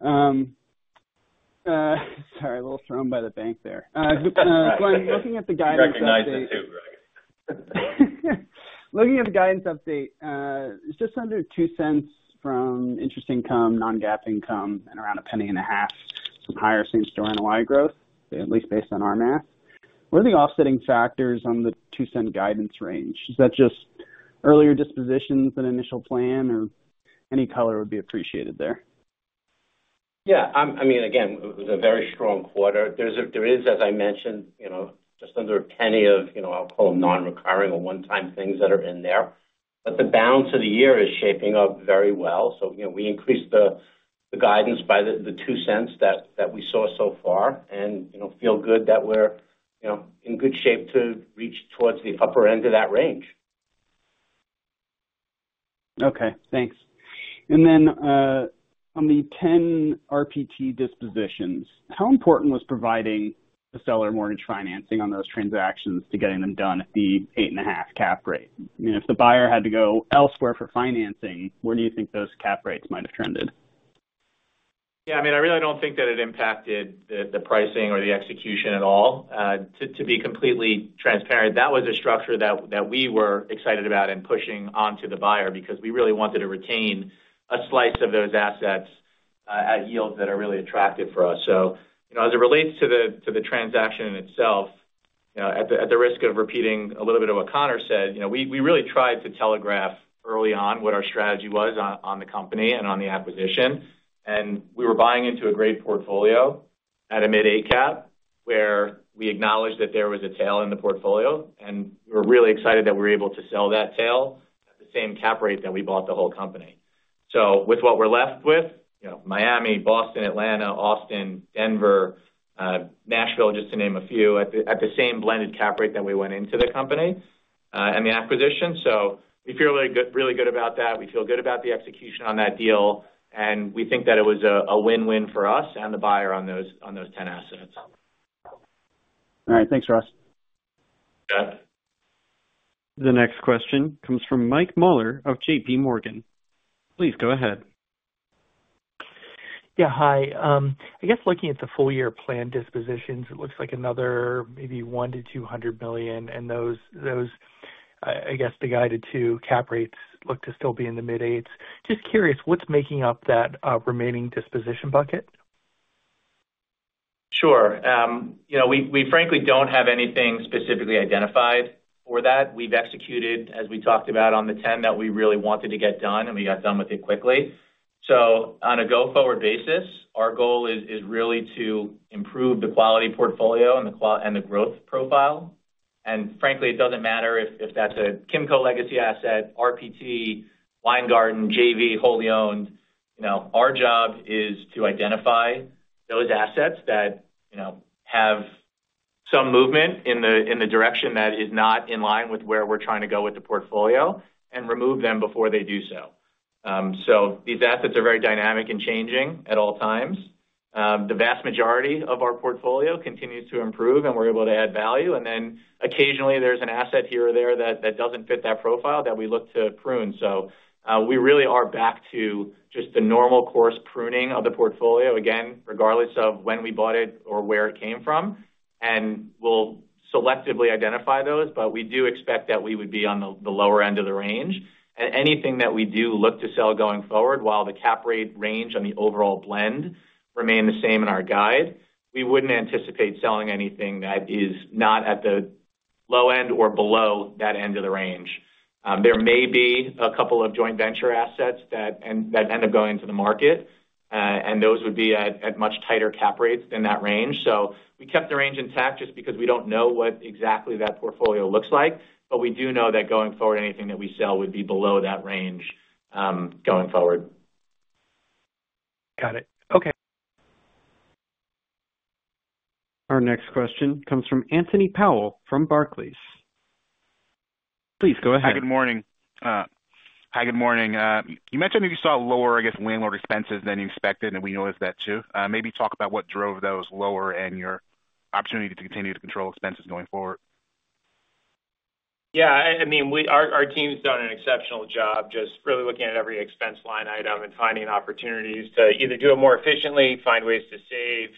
Sorry. A little thrown by the bank there. Looking at the guidance update. Recognize it too, Greg. Looking at the guidance update, it's just under $0.02 from interest income, non-GAAP income, and around $0.015 from higher same-store NOI growth, at least based on our math. What are the offsetting factors on the $0.02 guidance range? Is that just earlier dispositions and initial plan, or any color would be appreciated there? Yeah. I mean, again, it was a very strong quarter. There is, as I mentioned, just under $0.01 of, I'll call them, non-recurring or one-time things that are in there. But the balance of the year is shaping up very well. So we increased the guidance by the $0.02 that we saw so far and feel good that we're in good shape to reach towards the upper end of that range. Okay. Thanks. And then on the 10 RPT dispositions, how important was providing a seller mortgage financing on those transactions to getting them done at the 8.5% cap rate? I mean, if the buyer had to go elsewhere for financing, where do you think those cap rates might have trended? Yeah. I mean, I really don't think that it impacted the pricing or the execution at all. To be completely transparent, that was a structure that we were excited about and pushing onto the buyer because we really wanted to retain a slice of those assets at yields that are really attractive for us. So as it relates to the transaction itself, at the risk of repeating a little bit of what Conor said, we really tried to telegraph early on what our strategy was on the company and on the acquisition. We were buying into a great portfolio at a mid-cap where we acknowledged that there was a tail in the portfolio. We were really excited that we were able to sell that tail at the same cap rate that we bought the whole company. So with what we're left with, Miami, Boston, Atlanta, Austin, Denver, Nashville, just to name a few, at the same blended Cap Rate that we went into the company and the acquisition. So we feel really good about that. We feel good about the execution on that deal. We think that it was a win-win for us and the buyer on those 10 assets. All right. Thanks, Ross. Got it. The next question comes from Mike Mueller of J.P. Morgan. Please go ahead. Yeah. Hi. I guess looking at the full-year plan dispositions, it looks like another maybe $100 million-$200 million. I guess the guided two cap rates look to still be in the mid-8s. Just curious, what's making up that remaining disposition bucket? Sure. We frankly don't have anything specifically identified for that. We've executed, as we talked about on the 10, that we really wanted to get done, and we got done with it quickly. So on a go-forward basis, our goal is really to improve the quality portfolio and the growth profile. And frankly, it doesn't matter if that's a Kimco legacy asset, RPT, Weingarten, JV, wholly owned. Our job is to identify those assets that have some movement in the direction that is not in line with where we're trying to go with the portfolio and remove them before they do so. So these assets are very dynamic and changing at all times. The vast majority of our portfolio continues to improve, and we're able to add value. And then occasionally, there's an asset here or there that doesn't fit that profile that we look to prune. So we really are back to just the normal course pruning of the portfolio, again, regardless of when we bought it or where it came from. And we'll selectively identify those. But we do expect that we would be on the lower end of the range. And anything that we do look to sell going forward while the Cap Rate range on the overall blend remain the same in our guide, we wouldn't anticipate selling anything that is not at the low end or below that end of the range. There may be a couple of joint venture assets that end up going to the market, and those would be at much tighter Cap Rates than that range. So we kept the range intact just because we don't know what exactly that portfolio looks like. But we do know that going forward, anything that we sell would be below that range going forward. Got it. Okay. Our next question comes from Anthony Powell from Barclays. Please go ahead. Hi. Good morning. Hi. Good morning. You mentioned that you saw lower, I guess, landlord expenses than you expected, and we noticed that too. Maybe talk about what drove those lower and your opportunity to continue to control expenses going forward. Yeah. I mean, our team's done an exceptional job just really looking at every expense line item and finding opportunities to either do it more efficiently, find ways to save,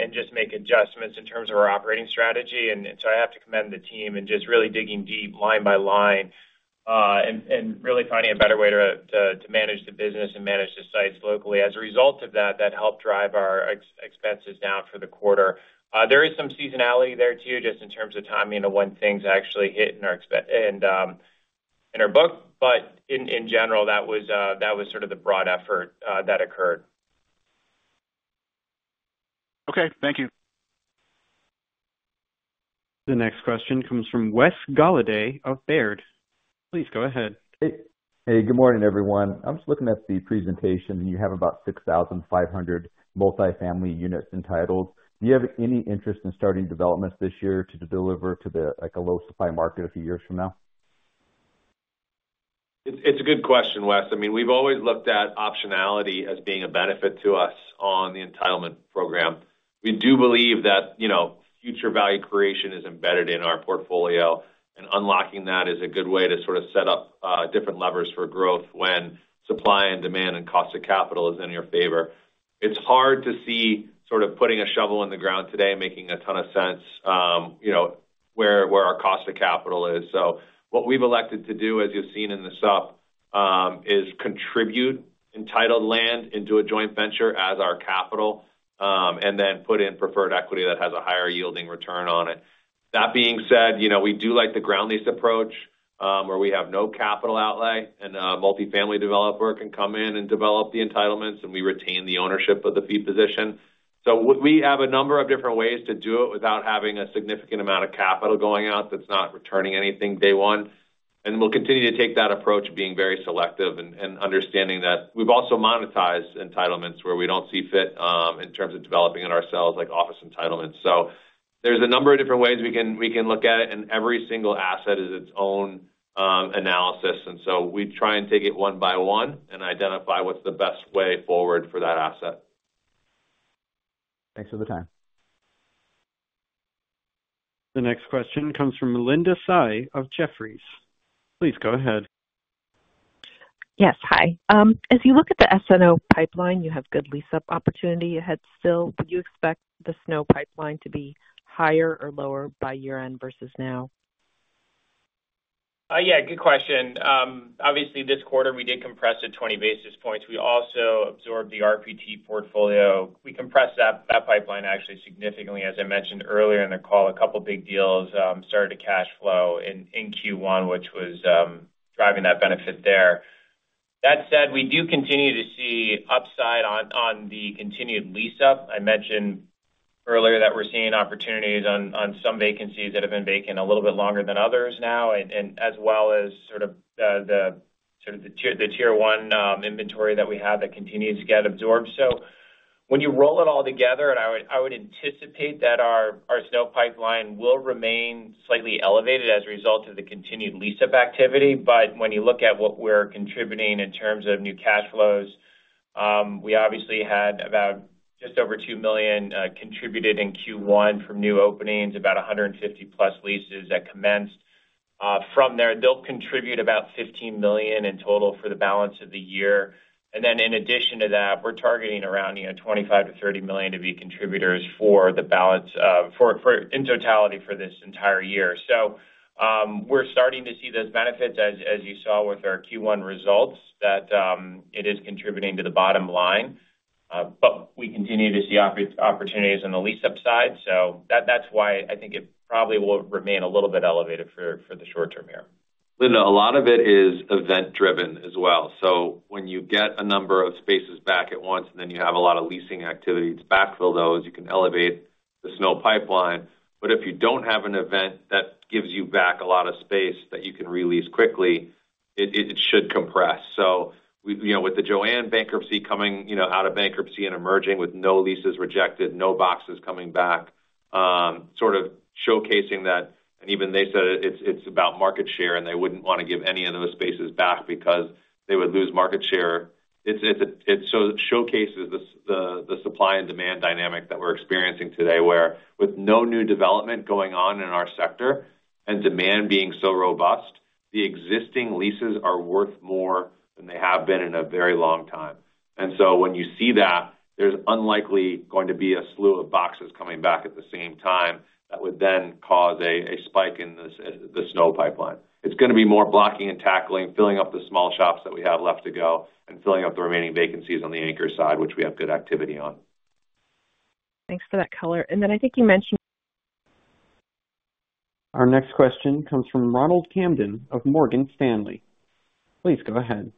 and just make adjustments in terms of our operating strategy. And so I have to commend the team in just really digging deep line by line and really finding a better way to manage the business and manage the sites locally. As a result of that, that helped drive our expenses down for the quarter. There is some seasonality there too just in terms of timing of when things actually hit in our book. But in general, that was sort of the broad effort that occurred. Okay. Thank you. The next question comes from Wes Golladay of Baird. Please go ahead. Hey. Good morning, everyone. I'm just looking at the presentation. You have about 6,500 multifamily units entitled. Do you have any interest in starting developments this year to deliver to a low-supply market a few years from now? It's a good question, Wes. I mean, we've always looked at optionality as being a benefit to us on the entitlement program. We do believe that future value creation is embedded in our portfolio, and unlocking that is a good way to sort of set up different levers for growth when supply and demand and cost of capital is in your favor. It's hard to see sort of putting a shovel in the ground today making a ton of sense where our cost of capital is. So what we've elected to do, as you've seen in the SUP, is contribute entitled land into a joint venture as our capital and then put in preferred equity that has a higher yielding return on it. That being said, we do like the ground lease approach where we have no capital outlay, and multifamily developer can come in and develop the entitlements, and we retain the ownership of the fee position. So we have a number of different ways to do it without having a significant amount of capital going out that's not returning anything day one. And we'll continue to take that approach being very selective and understanding that we've also monetized entitlements where we don't see fit in terms of developing it ourselves, like office entitlements. So there's a number of different ways we can look at it. And every single asset is its own analysis. And so we try and take it one by one and identify what's the best way forward for that asset. Thanks for the time. The next question comes from Linda Tsai of Jefferies. Please go ahead. Yes. Hi. As you look at the SNO pipeline, you have good lease-up opportunity ahead still. Would you expect the SNO pipeline to be higher or lower by year-end versus now? Yeah. Good question. Obviously, this quarter, we did compress to 20 basis points. We also absorbed the RPT portfolio. We compressed that pipeline actually significantly. As I mentioned earlier in the call, a couple of big deals started to cash flow in Q1, which was driving that benefit there. That said, we do continue to see upside on the continued lease-up. I mentioned earlier that we're seeing opportunities on some vacancies that have been vacant a little bit longer than others now, as well as sort of the sort of the tier one inventory that we have that continues to get absorbed. So when you roll it all together, I would anticipate that our SNO pipeline will remain slightly elevated as a result of the continued lease-up activity. When you look at what we're contributing in terms of new cash flows, we obviously had about just over $2 million contributed in Q1 from new openings, about 150+ leases that commenced from there. They'll contribute about $15 million in total for the balance of the year. And then in addition to that, we're targeting around $25 million-$30 million to be contributors for the balance of in totality for this entire year. So we're starting to see those benefits, as you saw with our Q1 results, that it is contributing to the bottom line. But we continue to see opportunities on the lease-up side. So that's why I think it probably will remain a little bit elevated for the short term here. Linda, a lot of it is event-driven as well. So when you get a number of spaces back at once and then you have a lot of leasing activity to backfill those, you can elevate the SNO pipeline. But if you don't have an event that gives you back a lot of space that you can release quickly, it should compress. So with the JOANN bankruptcy coming out of bankruptcy and emerging with no leases rejected, no boxes coming back. Sort of showcasing that and even they said it's about market share, and they wouldn't want to give any of those spaces back because they would lose market share, it showcases the supply and demand dynamic that we're experiencing today where with no new development going on in our sector and demand being so robust, the existing leases are worth more than they have been in a very long time. And so when you see that, there's unlikely going to be a slew of boxes coming back at the same time that would then cause a spike in the SNO pipeline. It's going to be more blocking and tackling, filling up the small shops that we have left to go, and filling up the remaining vacancies on the anchor side, which we have good activity on. Thanks for that color. And then I think you mentioned. Our next question comes from Ronald Kamdem of Morgan Stanley. Please go ahead.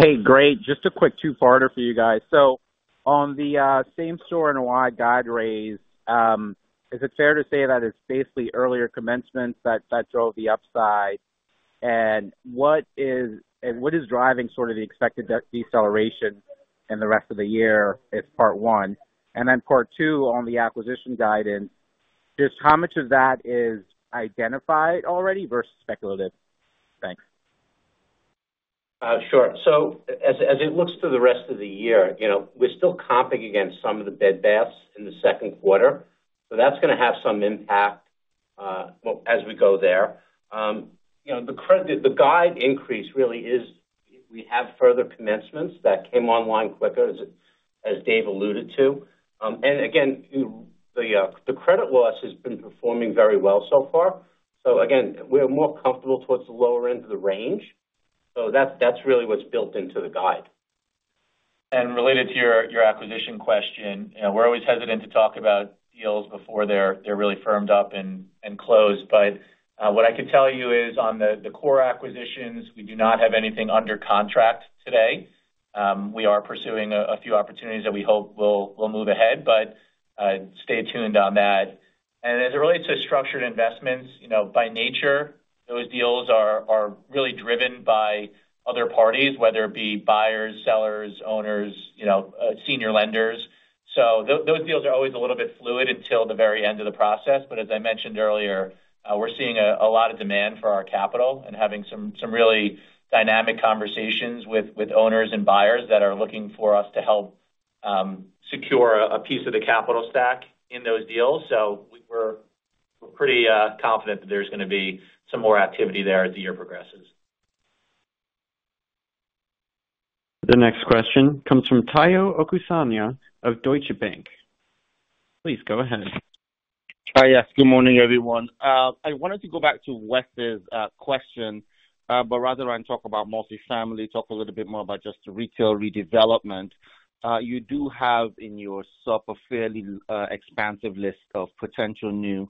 Hey. Great. Just a quick two-parter for you guys. So on the same-store NOI guide raise, is it fair to say that it's basically earlier commencements that drove the upside? And what is driving sort of the expected deceleration in the rest of the year if part one? And then part two on the acquisition guidance, just how much of that is identified already versus speculative? Thanks. Sure. So as it looks to the rest of the year, we're still comping against some of the Bed Bath & Beyond in the second quarter. So that's going to have some impact as we go there. The guide increase really is we have further commencements that came online quicker, as Dave alluded to. And again, the credit loss has been performing very well so far. So again, we're more comfortable towards the lower end of the range. So that's really what's built into the guide. Related to your acquisition question, we're always hesitant to talk about deals before they're really firmed up and closed. What I could tell you is on the core acquisitions, we do not have anything under contract today. We are pursuing a few opportunities that we hope will move ahead. Stay tuned on that. As it relates to structured investments, by nature, those deals are really driven by other parties, whether it be buyers, sellers, owners, senior lenders. Those deals are always a little bit fluid until the very end of the process. As I mentioned earlier, we're seeing a lot of demand for our capital and having some really dynamic conversations with owners and buyers that are looking for us to help secure a piece of the capital stack in those deals. We're pretty confident that there's going to be some more activity there as the year progresses. The next question comes from Tayo Okusanya of Deutsche Bank. Please go ahead. Hi. Yes. Good morning, everyone. I wanted to go back to Wes's question, but rather than talk about multifamily, talk a little bit more about just retail redevelopment. You do have in your SUP a fairly expansive list of potential new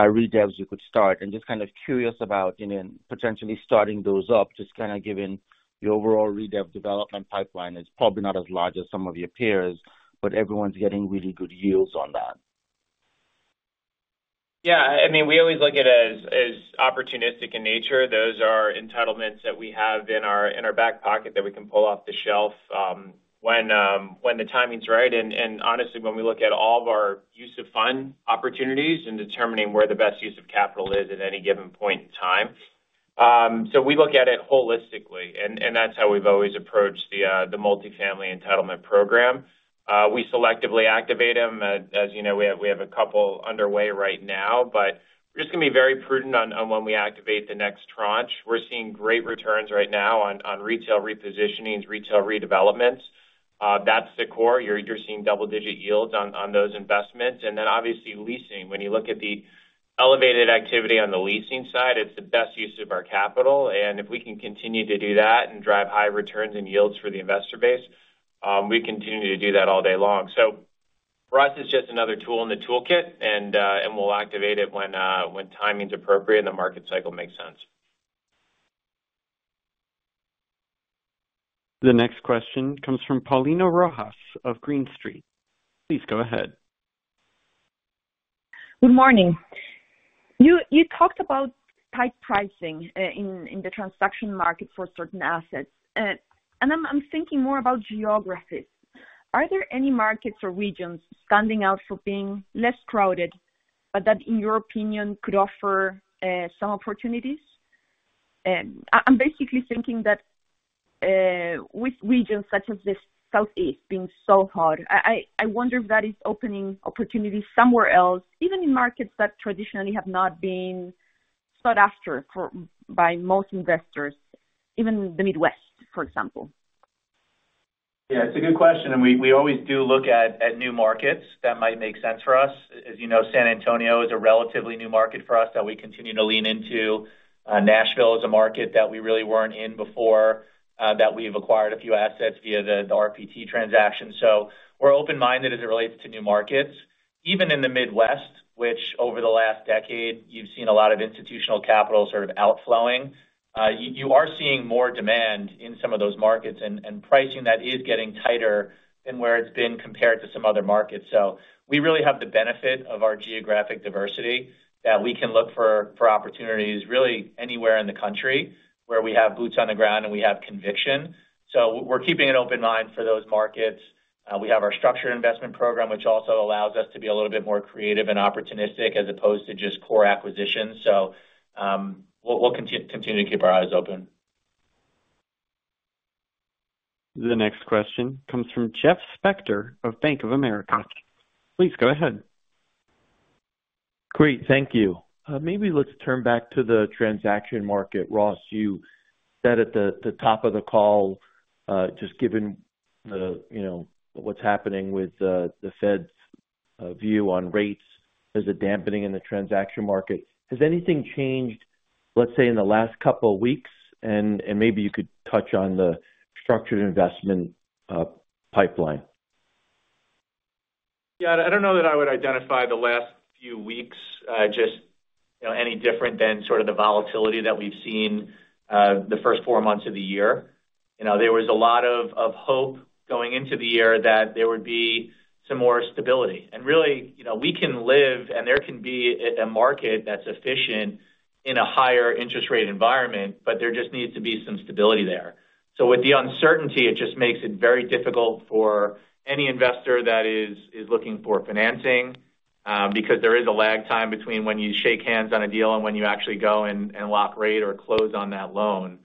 redevs you could start. And just kind of curious about potentially starting those up, just kind of given your overall redev development pipeline. It's probably not as large as some of your peers, but everyone's getting really good yields on that. Yeah. I mean, we always look at it as opportunistic in nature. Those are entitlements that we have in our back pocket that we can pull off the shelf when the timing's right. And honestly, when we look at all of our use of fund opportunities and determining where the best use of capital is at any given point in time, so we look at it holistically. And that's how we've always approached the multifamily entitlement program. We selectively activate them. As you know, we have a couple underway right now. But we're just going to be very prudent on when we activate the next tranche. We're seeing great returns right now on retail repositionings, retail redevelopments. That's the core. You're seeing double-digit yields on those investments. And then obviously, leasing. When you look at the elevated activity on the leasing side, it's the best use of our capital. And if we can continue to do that and drive high returns and yields for the investor base, we continue to do that all day long. So for us, it's just another tool in the toolkit, and we'll activate it when timing's appropriate and the market cycle makes sense. The next question comes from Paulina Rojas of Green Street. Please go ahead. Good morning. You talked about tight pricing in the transaction market for certain assets. I'm thinking more about geography. Are there any markets or regions standing out for being less crowded but that, in your opinion, could offer some opportunities? I'm basically thinking that with regions such as the Southeast being so hot, I wonder if that is opening opportunities somewhere else, even in markets that traditionally have not been sought after by most investors, even the Midwest, for example. Yeah. It's a good question. We always do look at new markets that might make sense for us. As you know, San Antonio is a relatively new market for us that we continue to lean into. Nashville is a market that we really weren't in before that we've acquired a few assets via the RPT transaction. We're open-minded as it relates to new markets. Even in the Midwest, which over the last decade, you've seen a lot of institutional capital sort of outflowing, you are seeing more demand in some of those markets. Pricing that is getting tighter than where it's been compared to some other markets. We really have the benefit of our geographic diversity that we can look for opportunities really anywhere in the country where we have boots on the ground and we have conviction. So we're keeping an open mind for those markets. We have our structured investment program, which also allows us to be a little bit more creative and opportunistic as opposed to just core acquisitions. So we'll continue to keep our eyes open. The next question comes from Jeff Spector of Bank of America. Please go ahead. Great. Thank you. Maybe let's turn back to the transaction market. Ross, you said at the top of the call, just given what's happening with the Fed's view on rates, there's a dampening in the transaction market. Has anything changed, let's say, in the last couple of weeks? And maybe you could touch on the structured investment pipeline. Yeah. I don't know that I would identify the last few weeks just any different than sort of the volatility that we've seen the first four months of the year. There was a lot of hope going into the year that there would be some more stability. And really, we can live, and there can be a market that's efficient in a higher interest rate environment, but there just needs to be some stability there. So with the uncertainty, it just makes it very difficult for any investor that is looking for financing because there is a lag time between when you shake hands on a deal and when you actually go and lock rate or close on that loan.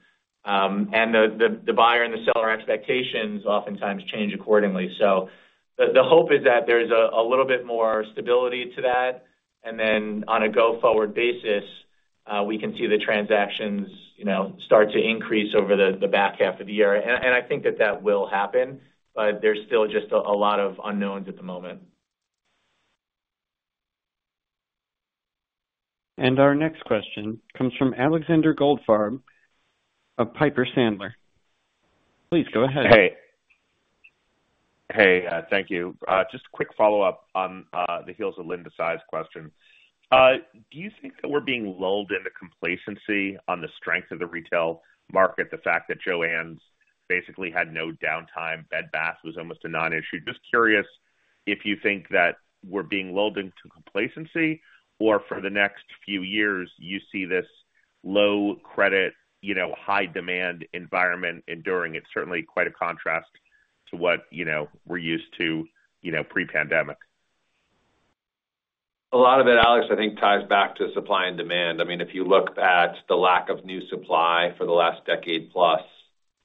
And the buyer and the seller expectations oftentimes change accordingly. So the hope is that there's a little bit more stability to that. And then on a go-forward basis, we can see the transactions start to increase over the back half of the year. And I think that that will happen. But there's still just a lot of unknowns at the moment. Our next question comes from Alexander Goldfarb of Piper Sandler. Please go ahead. Hey. Hey. Thank you. Just a quick follow-up on the heels of Linda Tsai's question. Do you think that we're being lulled into complacency on the strength of the retail market, the fact that Joann's basically had no downtime, Bed Bath & Beyond was almost a non-issue? Just curious if you think that we're being lulled into complacency or for the next few years, you see this low-credit, high-demand environment enduring. It's certainly quite a contrast to what we're used to pre-pandemic. A lot of it, Alex, I think ties back to supply and demand. I mean, if you look at the lack of new supply for the last decade-plus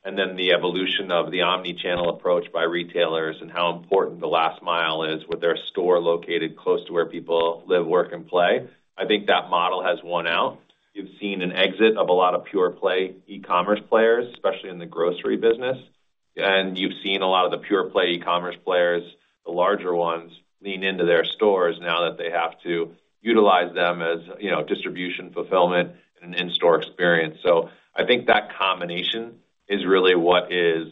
and then the evolution of the omnichannel approach by retailers and how important the last mile is with their store located close to where people live, work, and play, I think that model has won out. You've seen an exit of a lot of pure-play e-commerce players, especially in the grocery business. And you've seen a lot of the pure-play e-commerce players, the larger ones, lean into their stores now that they have to utilize them as distribution, fulfillment, and an in-store experience. So I think that combination is really what is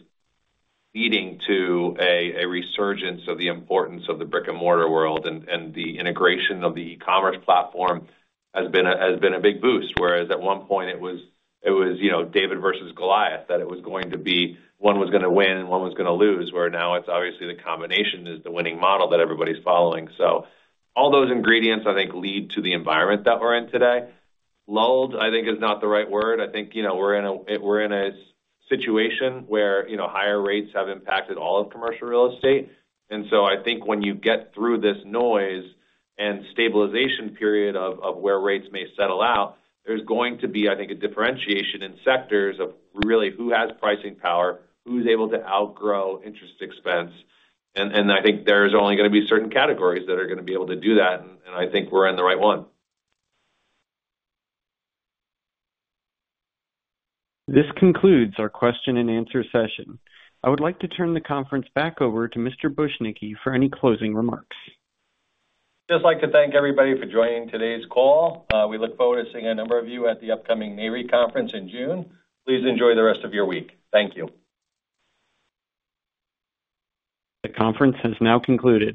leading to a resurgence of the importance of the brick-and-mortar world. And the integration of the e-commerce platform has been a big boost, whereas at one point, it was David versus Goliath that it was going to be one was going to win and one was going to lose, where now it's obviously the combination is the winning model that everybody's following. So all those ingredients, I think, lead to the environment that we're in today. Lulled, I think, is not the right word. I think we're in a situation where higher rates have impacted all of commercial real estate. And so I think when you get through this noise and stabilization period of where rates may settle out, there's going to be, I think, a differentiation in sectors of really who has pricing power, who's able to outgrow interest expense. And I think there's only going to be certain categories that are going to be able to do that. And I think we're in the right one. This concludes our question-and-answer session. I would like to turn the conference back over to Mr. Bujnicki for any closing remarks. Just like to thank everybody for joining today's call. We look forward to seeing a number of you at the upcoming NAREIT conference in June. Please enjoy the rest of your week. Thank you. The conference has now concluded.